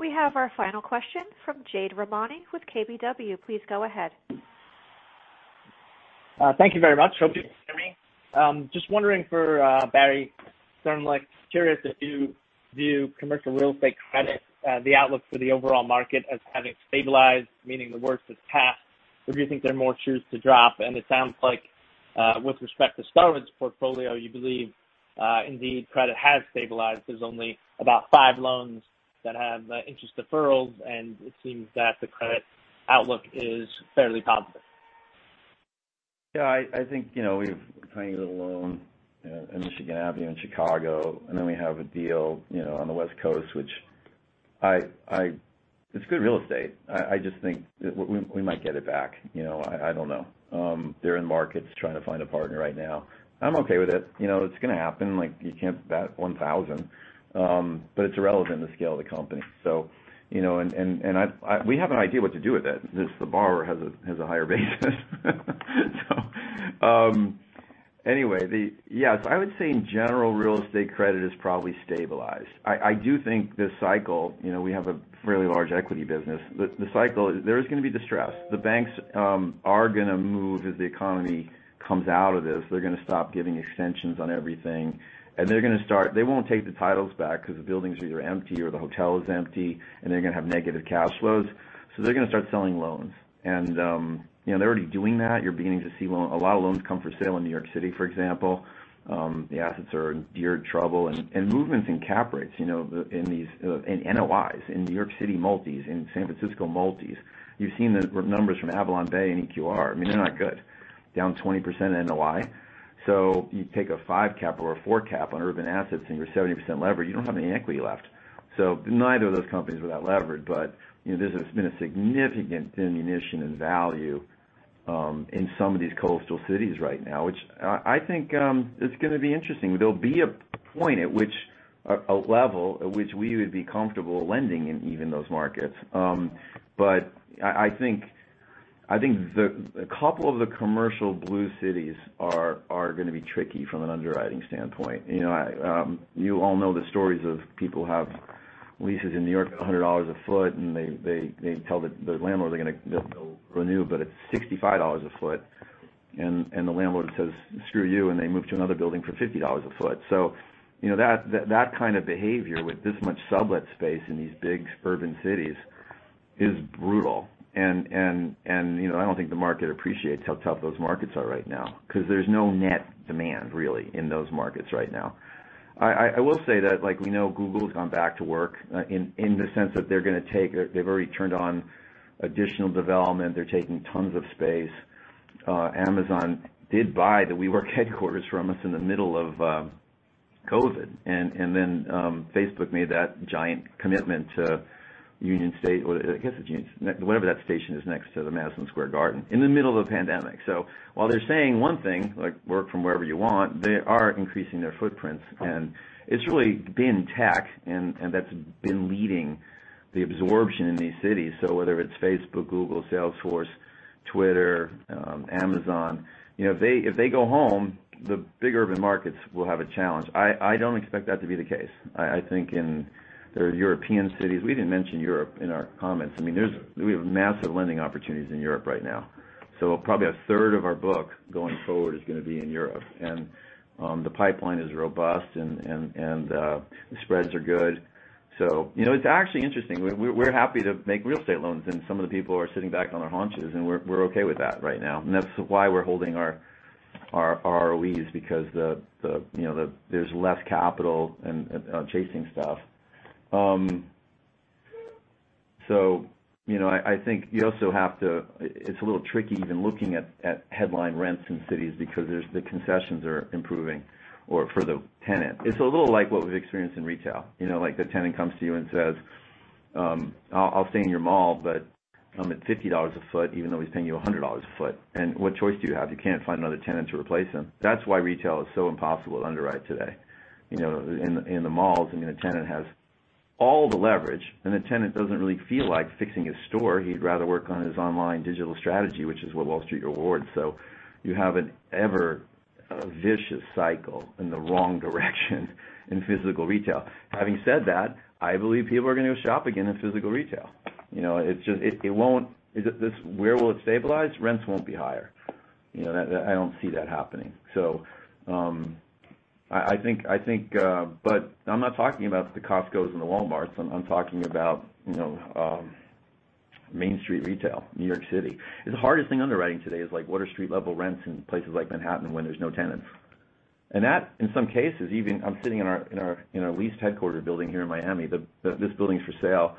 We have our final question from Jade Rahmani with KBW. Please go ahead. Thank you very much. Hope you can hear me. Just wondering for Barry Sternlicht, curious if you view commercial real estate credit, the outlook for the overall market as having stabilized, meaning the worst has passed. Or do you think there are more shoes to drop? And it sounds like with respect to Starwood's portfolio, you believe indeed credit has stabilized. There's only about five loans that have interest deferrals, and it seems that the credit outlook is fairly positive. Yeah. I think we have a tiny little loan in Michigan Avenue in Chicago, and then we have a deal on the West Coast, which it's good real estate. I just think we might get it back. I don't know. They're in markets trying to find a partner right now. I'm okay with it. It's going to happen. You can't bet 1,000, but it's irrelevant to the scale of the company, and we have an idea what to do with it. The borrower has a higher basis. So anyway, yeah, so I would say in general, real estate credit has probably stabilized. I do think this cycle, we have a fairly large equity business. The cycle, there is going to be distress. The banks are going to move as the economy comes out of this. They're going to stop giving extensions on everything, and they're going to start. They won't take the titles back because the buildings are either empty or the hotel is empty, and they're going to have negative cash flows. So they're going to start selling loans. They're already doing that. You're beginning to see a lot of loans come for sale in New York City, for example. The assets are in dire trouble, and movements in cap rates in NOIs in New York City Multies, in San Francisco Multies. You've seen the numbers from AvalonBay and EQR. I mean, they're not good. Down 20% in NOI. You take a 5 cap or a 4 cap on urban assets and you're 70% levered, you don't have any equity left. So neither of those companies were that levered, but there's been a significant diminution in value in some of these coastal cities right now, which I think is going to be interesting. There'll be a point at which, a level at which we would be comfortable lending in even those markets. But I think a couple of the commercial blue cities are going to be tricky from an underwriting standpoint. You all know the stories of people who have leases in New York, $100 a foot, and they tell the landlord they're going to renew, but it's $65 a foot. And the landlord says, "Screw you," and they move to another building for $50 a foot. So that kind of behavior with this much sublet space in these big urban cities is brutal. I don't think the market appreciates how tough those markets are right now because there's no net demand really in those markets right now. I will say that we know Google has gone back to work in the sense that they're going to take. They've already turned on additional development. They're taking tons of space. Amazon did buy the WeWork headquarters from us in the middle of COVID. And then Facebook made that giant commitment to Penn Station or I guess it's Penn Station, whatever that station is next to Madison Square Garden in the middle of the pandemic. So while they're saying one thing, "Work from wherever you want," they are increasing their footprints. And it's really been tech, and that's been leading the absorption in these cities. So whether it's Facebook, Google, Salesforce, Twitter, Amazon, if they go home, the big urban markets will have a challenge. I don't expect that to be the case. I think in the European cities, we didn't mention Europe in our comments. I mean, we have massive lending opportunities in Europe right now. So probably a third of our book going forward is going to be in Europe, and the pipeline is robust, and the spreads are good. So it's actually interesting. We're happy to make real estate loans, and some of the people are sitting back on their haunches, and we're okay with that right now, and that's why we're holding our ROEs because there's less capital chasing stuff. So I think you also have to. It's a little tricky even looking at headline rents in cities because the concessions are improving for the tenant. It's a little like what we've experienced in retail. The tenant comes to you and says, "I'll stay in your mall, but I'm at $50 a foot even though he's paying you $100 a foot." And what choice do you have? You can't find another tenant to replace him. That's why retail is so impossible to underwrite today. In the malls, I mean, a tenant has all the leverage, and the tenant doesn't really feel like fixing his store. He'd rather work on his online digital strategy, which is what Wall Street rewards. So you have an ever vicious cycle in the wrong direction in physical retail. Having said that, I believe people are going to go shop again in physical retail. It won't. Where will it stabilize? Rents won't be higher. I don't see that happening. So I think, but I'm not talking about the Costcos and the Walmarts. I'm talking about Main Street retail, New York City. The hardest thing underwriting today is what are street-level rents in places like Manhattan when there's no tenants? And that, in some cases, even I'm sitting in our leased headquarters building here in Miami. This building's for sale,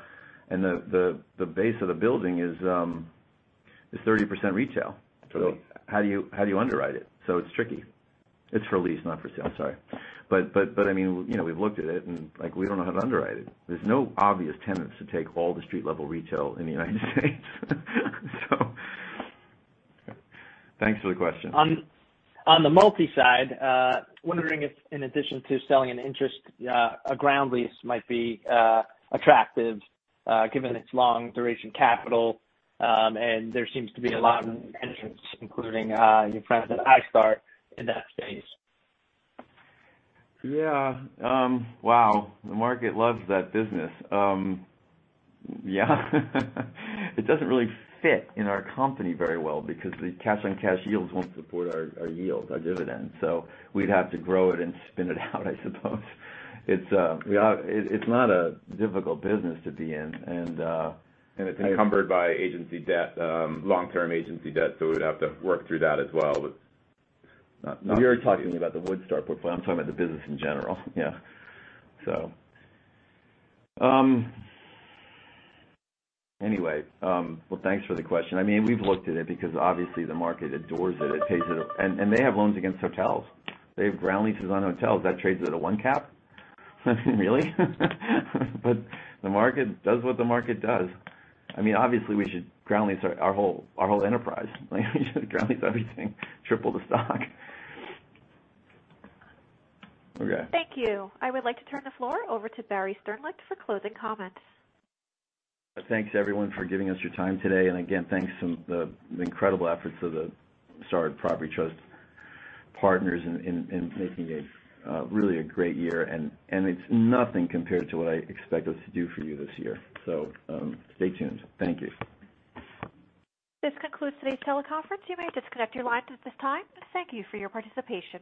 and the base of the building is 30% retail. So how do you underwrite it? So it's tricky. It's for lease, not for sale. Sorry. But I mean, we've looked at it, and we don't know how to underwrite it. There's no obvious tenants to take all the street-level retail in the United States. So thanks for the question. On the multi side, wondering if in addition to selling an interest, a ground lease might be attractive given its long-duration capital, and there seems to be a lot of entrants, including your friends at iStar in that space. Yeah. Wow. The market loves that business. Yeah. It doesn't really fit in our company very well because the cash-on-cash yields won't support our yield, our dividend. We'd have to grow it and spin it out, I suppose. It's not a difficult business to be in. It's encumbered by agency debt, long-term agency debt. We'd have to work through that as well. We are talking about the Woodstar portfolio. I'm talking about the business in general. Yeah. Anyway, thanks for the question. I mean, we've looked at it because obviously the market adores it. It pays it. They have loans against hotels. They have ground leases on hotels. That trades at a one cap. Really? The market does what the market does. I mean, obviously we should ground lease our whole enterprise. We should ground lease everything, triple the stock. Okay. Thank you. I would like to turn the floor over to Barry Sternlicht for closing comments. Thanks, everyone, for giving us your time today. And again, thanks to the incredible efforts of the Starwood Property Trust partners in making a really great year. And it's nothing compared to what I expect us to do for you this year. So stay tuned. Thank you. This concludes today's teleconference. You may disconnect your lines at this time. Thank you for your participation.